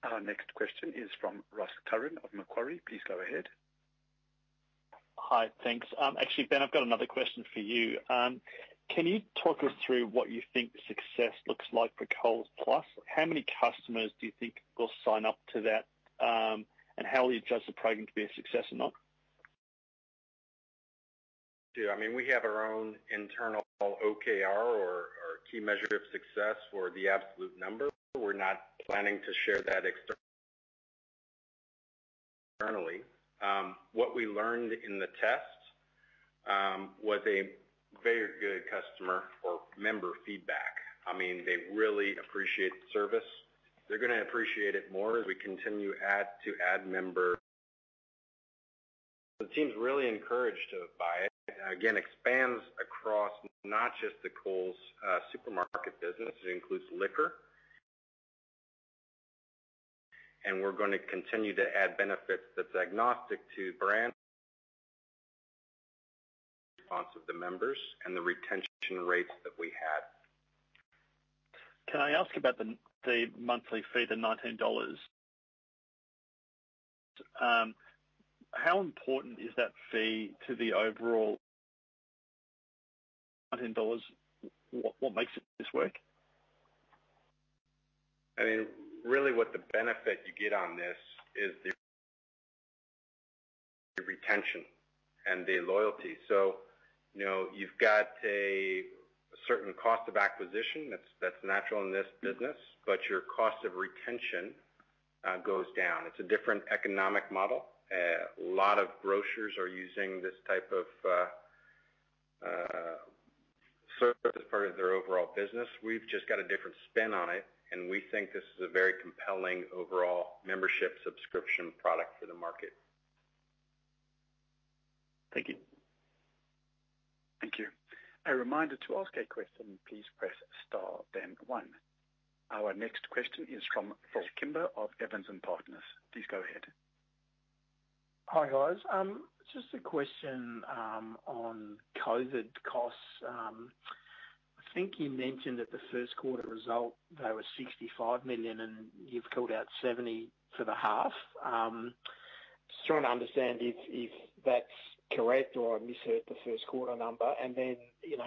Our next question is from Ross Curran of Macquarie. Please go ahead. Hi. Thanks. Actually, Ben, I've got another question for you. Can you talk us through what you think success looks like for Coles Plus? How many customers do you think will sign up to that, and how will you judge the program to be a success or not? I mean, we have our own internal OKR or key measure of success for the absolute number. We're not planning to share that externally. What we learned in the test was a very good customer or member feedback. I mean, they really appreciate the service. They're going to appreciate it more as we continue to add members. The team is really encouraged by it. Again, it expands across not just the Coles supermarket business. It includes liquor. And we're going to continue to add benefits that's agnostic to brand response of the members and the retention rates that we had. Can I ask about the monthly fee, the AUD 19? How important is that fee to the overall AUD 19? What makes this work? I mean, really what the benefit you get on this is the retention and the loyalty. So you've got a certain cost of acquisition that's natural in this business, but your cost of retention goes down. It's a different economic model. A lot of grocers are using this type of service as part of their overall business. We've just got a different spin on it, and we think this is a very compelling overall membership subscription product for the market. Thank you. Thank you. A reminder to ask a question. Please press star then one. Our next question is from Phil Kimber of Evans and Partners. Please go ahead. Hi, guys. Just a question on COVID costs. I think you mentioned that the first quarter result, they were 65 million, and you've called out 70 million for the half. Just trying to understand if that's correct or I misheard the first quarter number, and then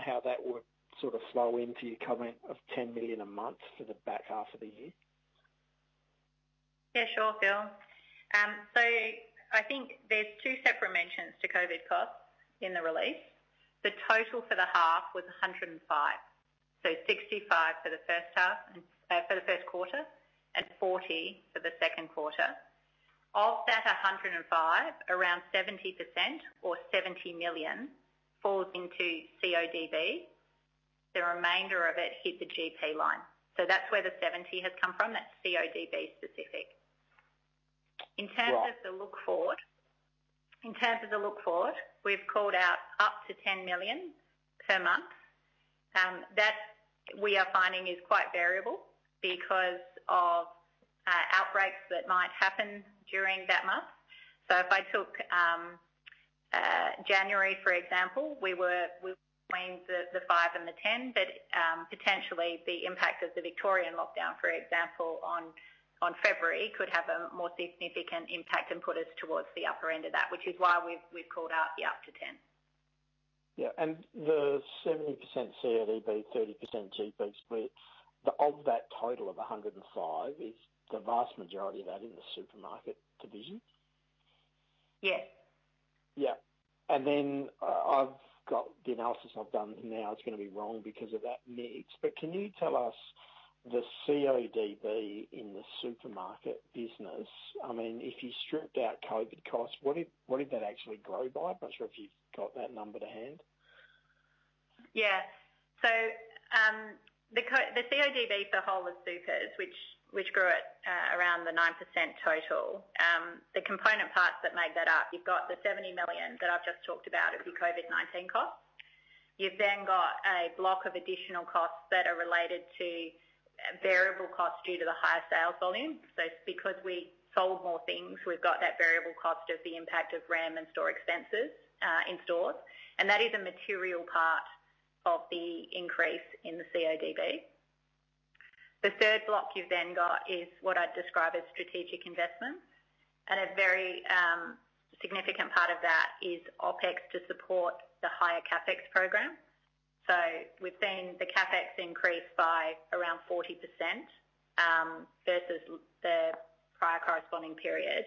how that would sort of flow into your comment of 10 million a month for the back half of the year. Yeah. Sure, Phil. So I think there are two separate mentions to COVID costs in the release. The total for the half was 105 million. So 65 million for the first half for the first quarter and 40 million for the second quarter. Of that 105 million, around 70% or 70 million falls into CODB. The remainder of it hit the GP line. So that's where the 70 has come from. That's CODB specific. In terms of the look forward, we've called out up to 10 million per month. That we are finding is quite variable because of outbreaks that might happen during that month. So if I took January, for example, we were between the five and the 10, but potentially the impact of the Victorian lockdown, for example, on February could have a more significant impact and put us towards the upper end of that, which is why we've called out the up to 10. Yeah. And the 70% CODB, 30% GP split, of that total of 105, is the vast majority of that in the supermarket division? Yes. Yeah, and then the analysis I've done now is going to be wrong because of that mix, but can you tell us the CODB in the supermarket business? I mean, if you stripped out COVID costs, what did that actually grow by? I'm not sure if you've got that number to hand. Yeah. So the CODB for whole of supermarkets, which grew at around the 9% total, the component parts that make that up, you've got the 70 million that I've just talked about of the COVID-19 costs. You've then got a block of additional costs that are related to variable costs due to the higher sales volume. So because we sold more things, we've got that variable cost of the impact of rem and store expenses in stores. And that is a material part of the increase in the CODB. The third block you've then got is what I'd describe as strategic investments. And a very significant part of that is OpEx to support the higher CapEx program. So we've seen the CapEx increase by around 40% versus the prior corresponding period.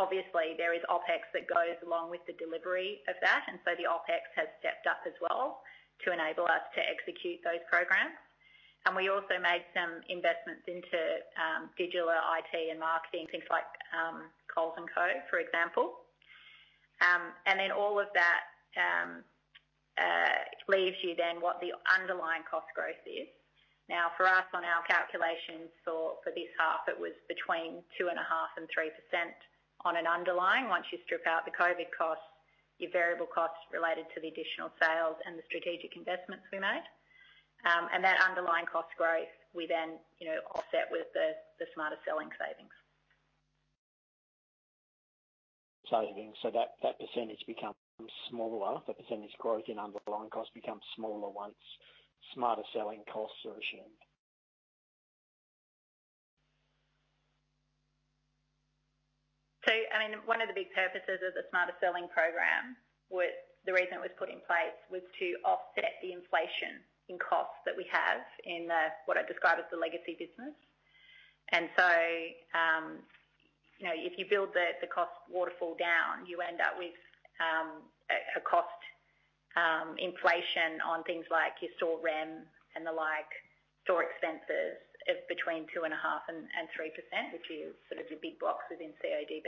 Obviously, there is OpEx that goes along with the delivery of that. So the OpEx has stepped up as well to enable us to execute those programs. We also made some investments into digital IT and marketing, things like Coles & Co., for example. Then all of that leaves you then what the underlying cost growth is. Now, for us, on our calculations for this half, it was between 2.5% and 3% on an underlying. Once you strip out the COVID costs, your variable costs related to the additional sales and the strategic investments we made. That underlying cost growth, we then offset with the Smarter Selling savings. Savings. So that percentage becomes smaller. The percentage growth in underlying costs becomes smaller once Smarter Selling costs are assumed. I mean, one of the big purposes of the Smarter Selling program, the reason it was put in place, was to offset the inflation in costs that we have in what I describe as the legacy business. And so if you build the cost waterfall down, you end up with a cost inflation on things like your store rem and the like, store expenses of between 2.5%-3%, which is sort of the big blocks within CODB.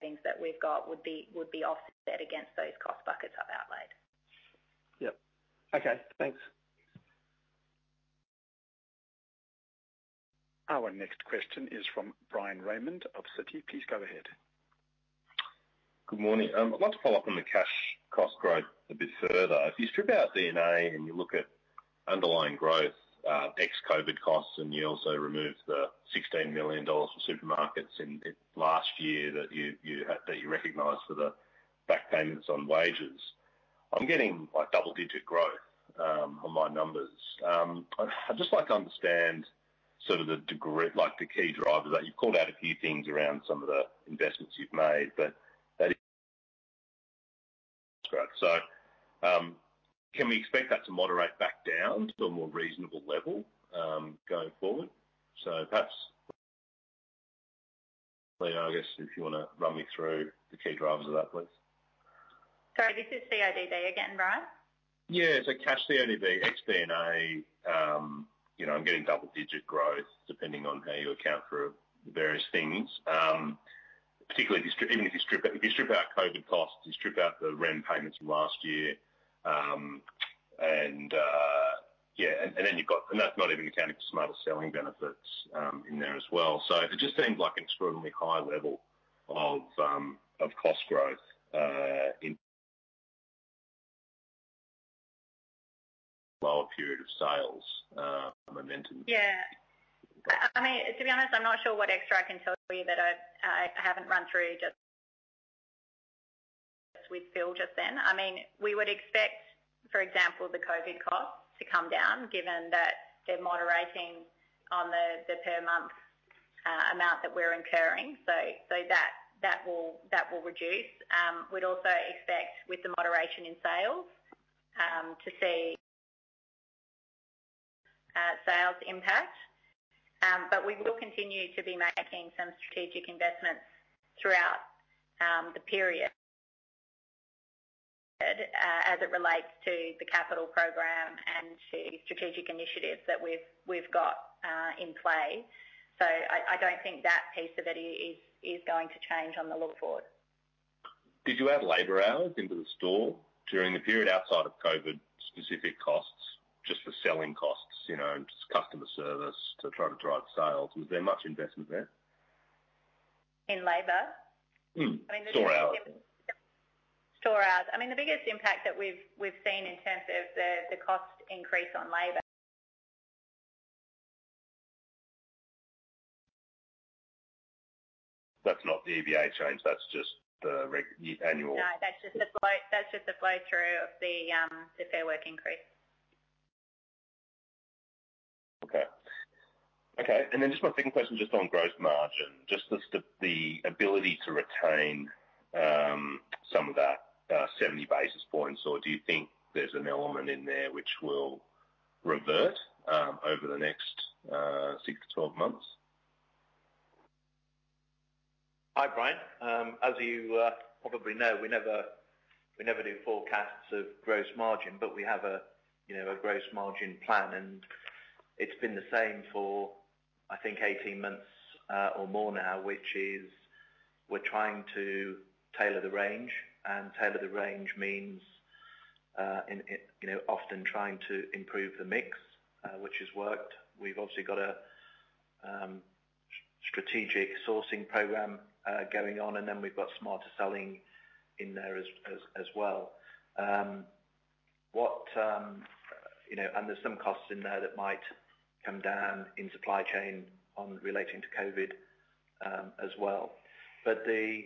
Things that we've got would be offset against those cost buckets I've outlined. Yep. Okay. Thanks. Our next question is from Bryan Raymond of Citi. Please go ahead. Good morning. I'd like to follow up on the cash cost growth a bit further. If you strip out the D&A and you look at underlying growth, ex-COVID costs, and you also remove the 16 million dollars for supermarkets last year that you recognized for the back payments on wages, I'm getting double-digit growth on my numbers. I'd just like to understand sort of the key drivers. You've called out a few things around some of the investments you've made, but that is growth. So can we expect that to moderate back down to a more reasonable level going forward? So perhaps, Leah, I guess if you want to run me through the key drivers of that, please. Sorry. This is CODB again, right? Yeah. So cash CODB, ex-D&A, I'm getting double-digit growth depending on how you account for various things. Particularly, even if you strip out COVID costs, you strip out the rem payments from last year. And yeah. And then you've got and that's not even accounting for Smarter Selling benefits in there as well. So it just seems like an extraordinarily high level of cost growth in lower period of sales momentum. Yeah. I mean, to be honest, I'm not sure what extra I can tell you that I haven't run through with Phil just then. I mean, we would expect, for example, the COVID costs to come down given that they're moderating on the per-month amount that we're incurring. So that will reduce. We'd also expect, with the moderation in sales, to see sales impact. But we will continue to be making some strategic investments throughout the period as it relates to the capital program and to strategic initiatives that we've got in play. So I don't think that piece of it is going to change on the looking forward. Did you add labor hours into the store during the period outside of COVID specific costs, just the selling costs, just customer service to try to drive sales? Was there much investment there? In labor? Store hours. Store hours. I mean, the biggest impact that we've seen in terms of the cost increase on labor. That's not the EBA change. That's just the annual. No. That's just the flow through of the Fair Work increase. Okay. Okay. And then just my second question, just on gross margin, just the ability to retain some of that 70 basis points. Or do you think there's an element in there which will revert over the next 6-12 months? Hi, Bryan. As you probably know, we never do forecasts of gross margin, but we have a gross margin plan, and it's been the same for, I think, 18 months or more now, which is we're trying to tailor the range. And tailor the range means often trying to improve the mix, which has worked. We've obviously got a strategic sourcing program going on, and then we've got Smarter Selling in there as well. And there's some costs in there that might come down in supply chain relating to COVID as well. But the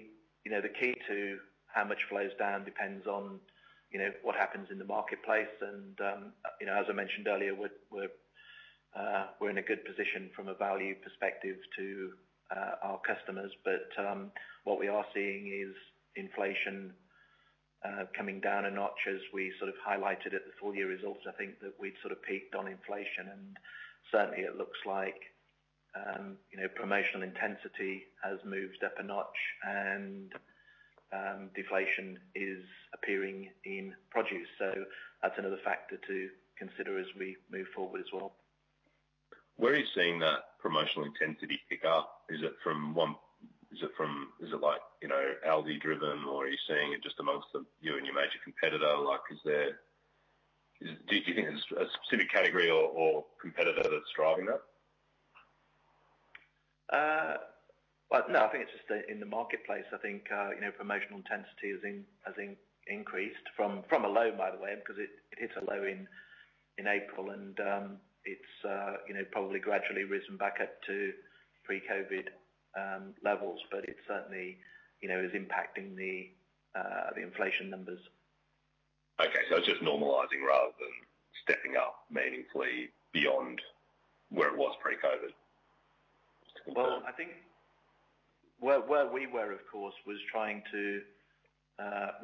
key to how much flows down depends on what happens in the marketplace, and as I mentioned earlier, we're in a good position from a value perspective to our customers. But what we are seeing is inflation coming down a notch as we sort of highlighted at the full year results. I think that we'd sort of peaked on inflation, and certainly, it looks like promotional intensity has moved up a notch, and deflation is appearing in produce, so that's another factor to consider as we move forward as well. Where are you seeing that promotional intensity pick up? Is it from one? Is it like Aldi-driven, or are you seeing it just amongst you and your major competitor? Do you think there's a specific category or competitor that's driving that? No. I think it's just in the marketplace. I think promotional intensity has increased from a low, by the way, because it hit a low in April, and it's probably gradually risen back up to pre-COVID levels. But it certainly is impacting the inflation numbers. Okay. So it's just normalizing rather than stepping up meaningfully beyond where it was pre-COVID? I think where we were, of course, was trying to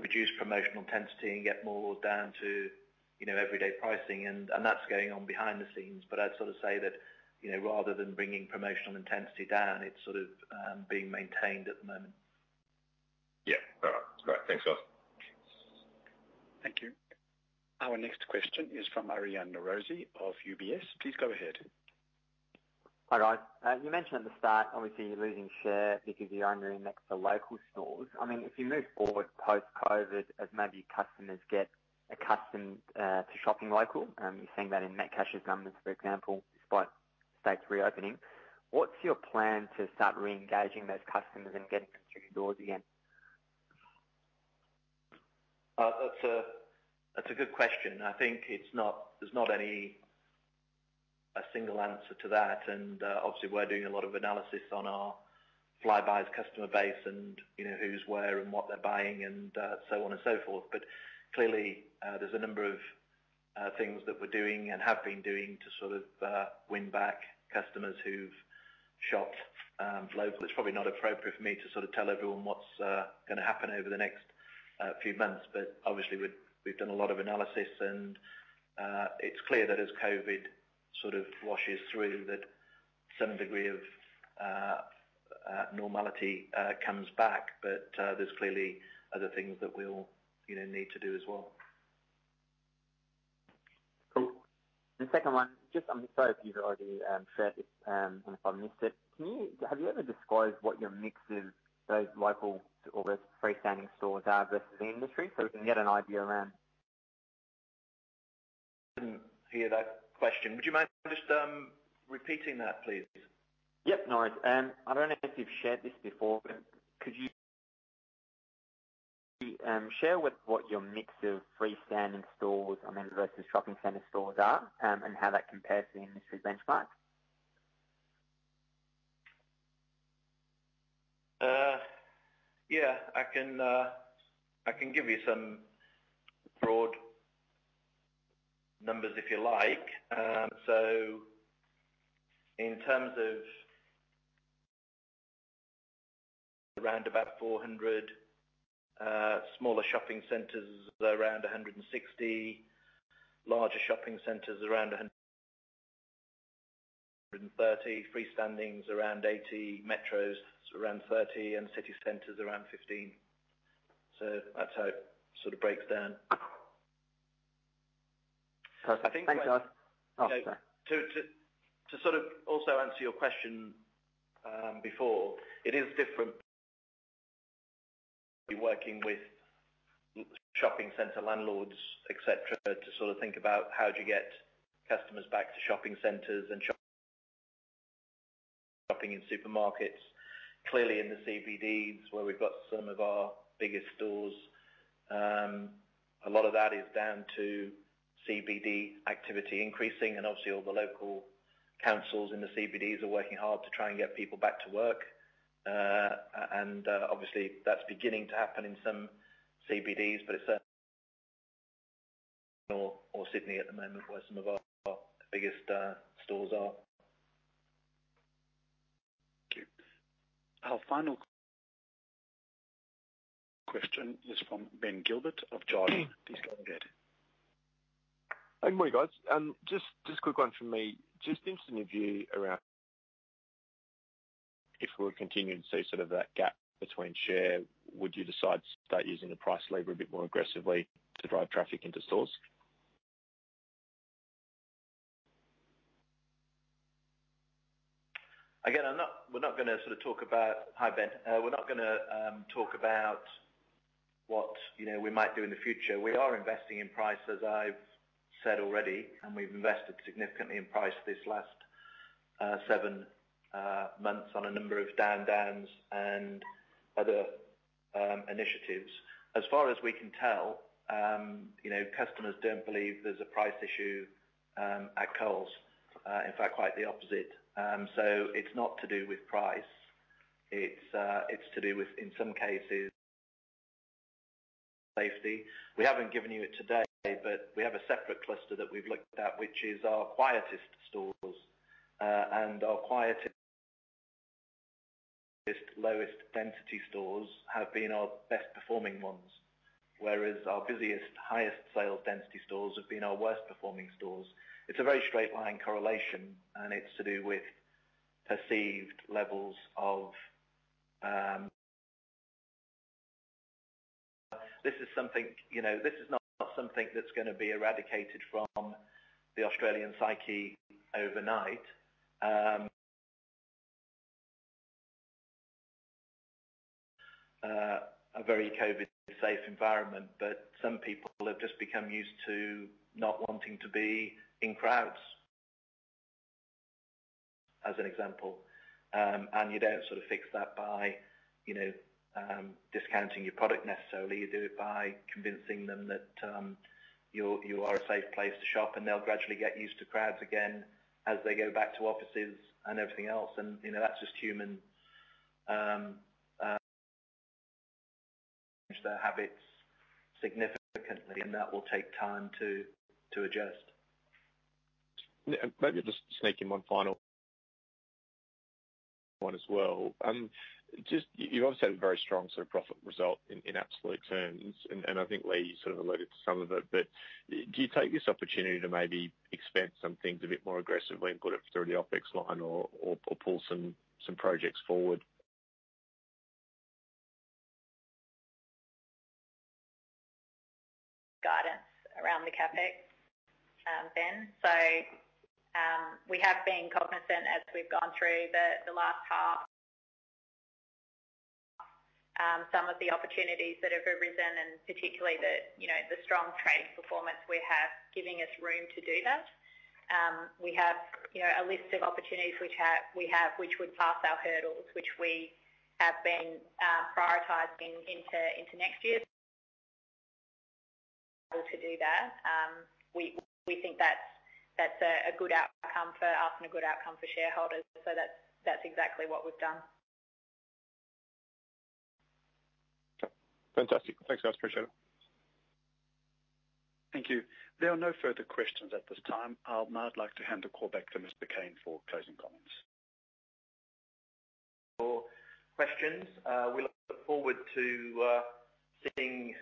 reduce promotional intensity and get more down to everyday pricing. That's going on behind the scenes. I'd sort of say that rather than bringing promotional intensity down, it's sort of being maintained at the moment. Yeah. All right. Great. Thanks, guys. Thank you. Our next question is from Aryan Norozi of UBS. Please go ahead. Hi, guys. You mentioned at the start, obviously, you're losing share because you're only next to local stores. I mean, if you move forward post-COVID, as maybe customers get accustomed to shopping local, you're seeing that in Metcash's numbers, for example, despite the state's reopening. What's your plan to start re-engaging those customers and getting them through the doors again? That's a good question. I think there's not a single answer to that. And obviously, we're doing a lot of analysis on our Flybuys' customer base and who's where and what they're buying and so on and so forth. But clearly, there's a number of things that we're doing and have been doing to sort of win back customers who've shopped local. It's probably not appropriate for me to sort of tell everyone what's going to happen over the next few months. But obviously, we've done a lot of analysis. And it's clear that as COVID sort of washes through, that some degree of normality comes back. But there's clearly other things that we'll need to do as well. Cool. The second one, just, I'm sorry if you've already said it and if I've missed it. Have you ever disclosed what your mix of those local or those freestanding stores are versus the industry? So we can get an idea around. I didn't hear that question. Would you mind just repeating that, please? Yep. No worries. I don't know if you've shared this before, but could you share what your mix of freestanding stores versus shopping center stores are and how that compares to the industry benchmark? Yeah. I can give you some broad numbers if you like. So in terms of around about 400, smaller shopping centers around 160, larger shopping centers around 130, freestandings around 80, metros around 30, and city centers around 15. So that's how it sort of breaks down. Perfect. Thanks, guys. To sort of also answer your question before, it is different working with shopping center landlords, etc., to sort of think about how do you get customers back to shopping centers and shopping in supermarkets. Clearly, in the CBDs where we've got some of our biggest stores, a lot of that is down to CBD activity increasing. And obviously, all the local councils in the CBDs are working hard to try and get people back to work. And obviously, that's beginning to happen in some CBDs, but it's certainly more Sydney at the moment where some of our biggest stores are. Thank you. Our final question is from Ben Gilbert of Jarden. Please go ahead. Hey, morning guys. Just a quick one from me. Just interested in your view around if we were continuing to see sort of that gap between share, would you decide to start using the price lever a bit more aggressively to drive traffic into stores? Again, we're not going to sort of talk about hi, Ben. We're not going to talk about what we might do in the future. We are investing in price, as I've said already, and we've invested significantly in price this last seven months on a number of Down Downs and other initiatives. As far as we can tell, customers don't believe there's a price issue at Coles. In fact, quite the opposite. So it's not to do with price. It's to do with, in some cases, safety. We haven't given you it today, but we have a separate cluster that we've looked at, which is our quietest stores, and our quietest, lowest density stores have been our best-performing ones, whereas our busiest, highest sales density stores have been our worst-performing stores. It's a very straight-line correlation, and it's to do with perceived levels. This is not something that's going to be eradicated from the Australian psyche overnight. A very COVID-safe environment, but some people have just become used to not wanting to be in crowds, as an example. You don't sort of fix that by discounting your product necessarily. You do it by convincing them that you are a safe place to shop, and they'll gradually get used to crowds again as they go back to offices and everything else. That's just human habits significantly, and that will take time to adjust. Maybe just sneak in one final one as well. You've obviously had a very strong sort of profit result in absolute terms, and I think Leah you sort of alluded to some of it, but do you take this opportunity to maybe expand some things a bit more aggressively and put it through the OpEx line or pull some projects forward? Guidance around the CapEx, Ben. So we have been cognizant as we've gone through the last half some of the opportunities that have arisen and particularly the strong trading performance we have, giving us room to do that. We have a list of opportunities we have which would pass our hurdles, which we have been prioritizing into next year to do that. We think that's a good outcome for us and a good outcome for shareholders. So that's exactly what we've done. Fantastic. Thanks, guys. Appreciate it. Thank you. There are no further questions at this time. I'd now like to hand the call back to Mr. Cain for closing comments. For questions. We look forward to seeing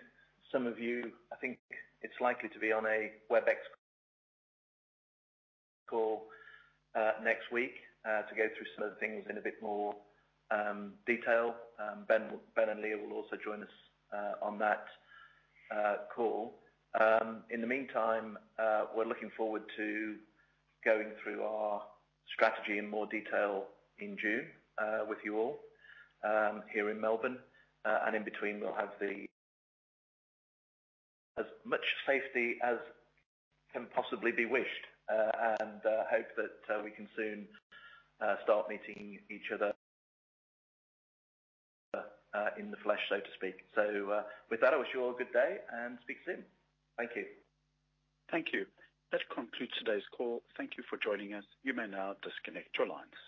some of you. I think it's likely to be on a Webex call next week to go through some of the things in a bit more detail. Ben and Leah will also join us on that call. In the meantime, we're looking forward to going through our strategy in more detail in June with you all here in Melbourne. And in between, we'll have as much safety as can possibly be wished and hope that we can soon start meeting each other in the flesh, so to speak. So with that, I wish you all a good day and speak soon. Thank you. Thank you. That concludes today's call. Thank you for joining us. You may now disconnect your lines.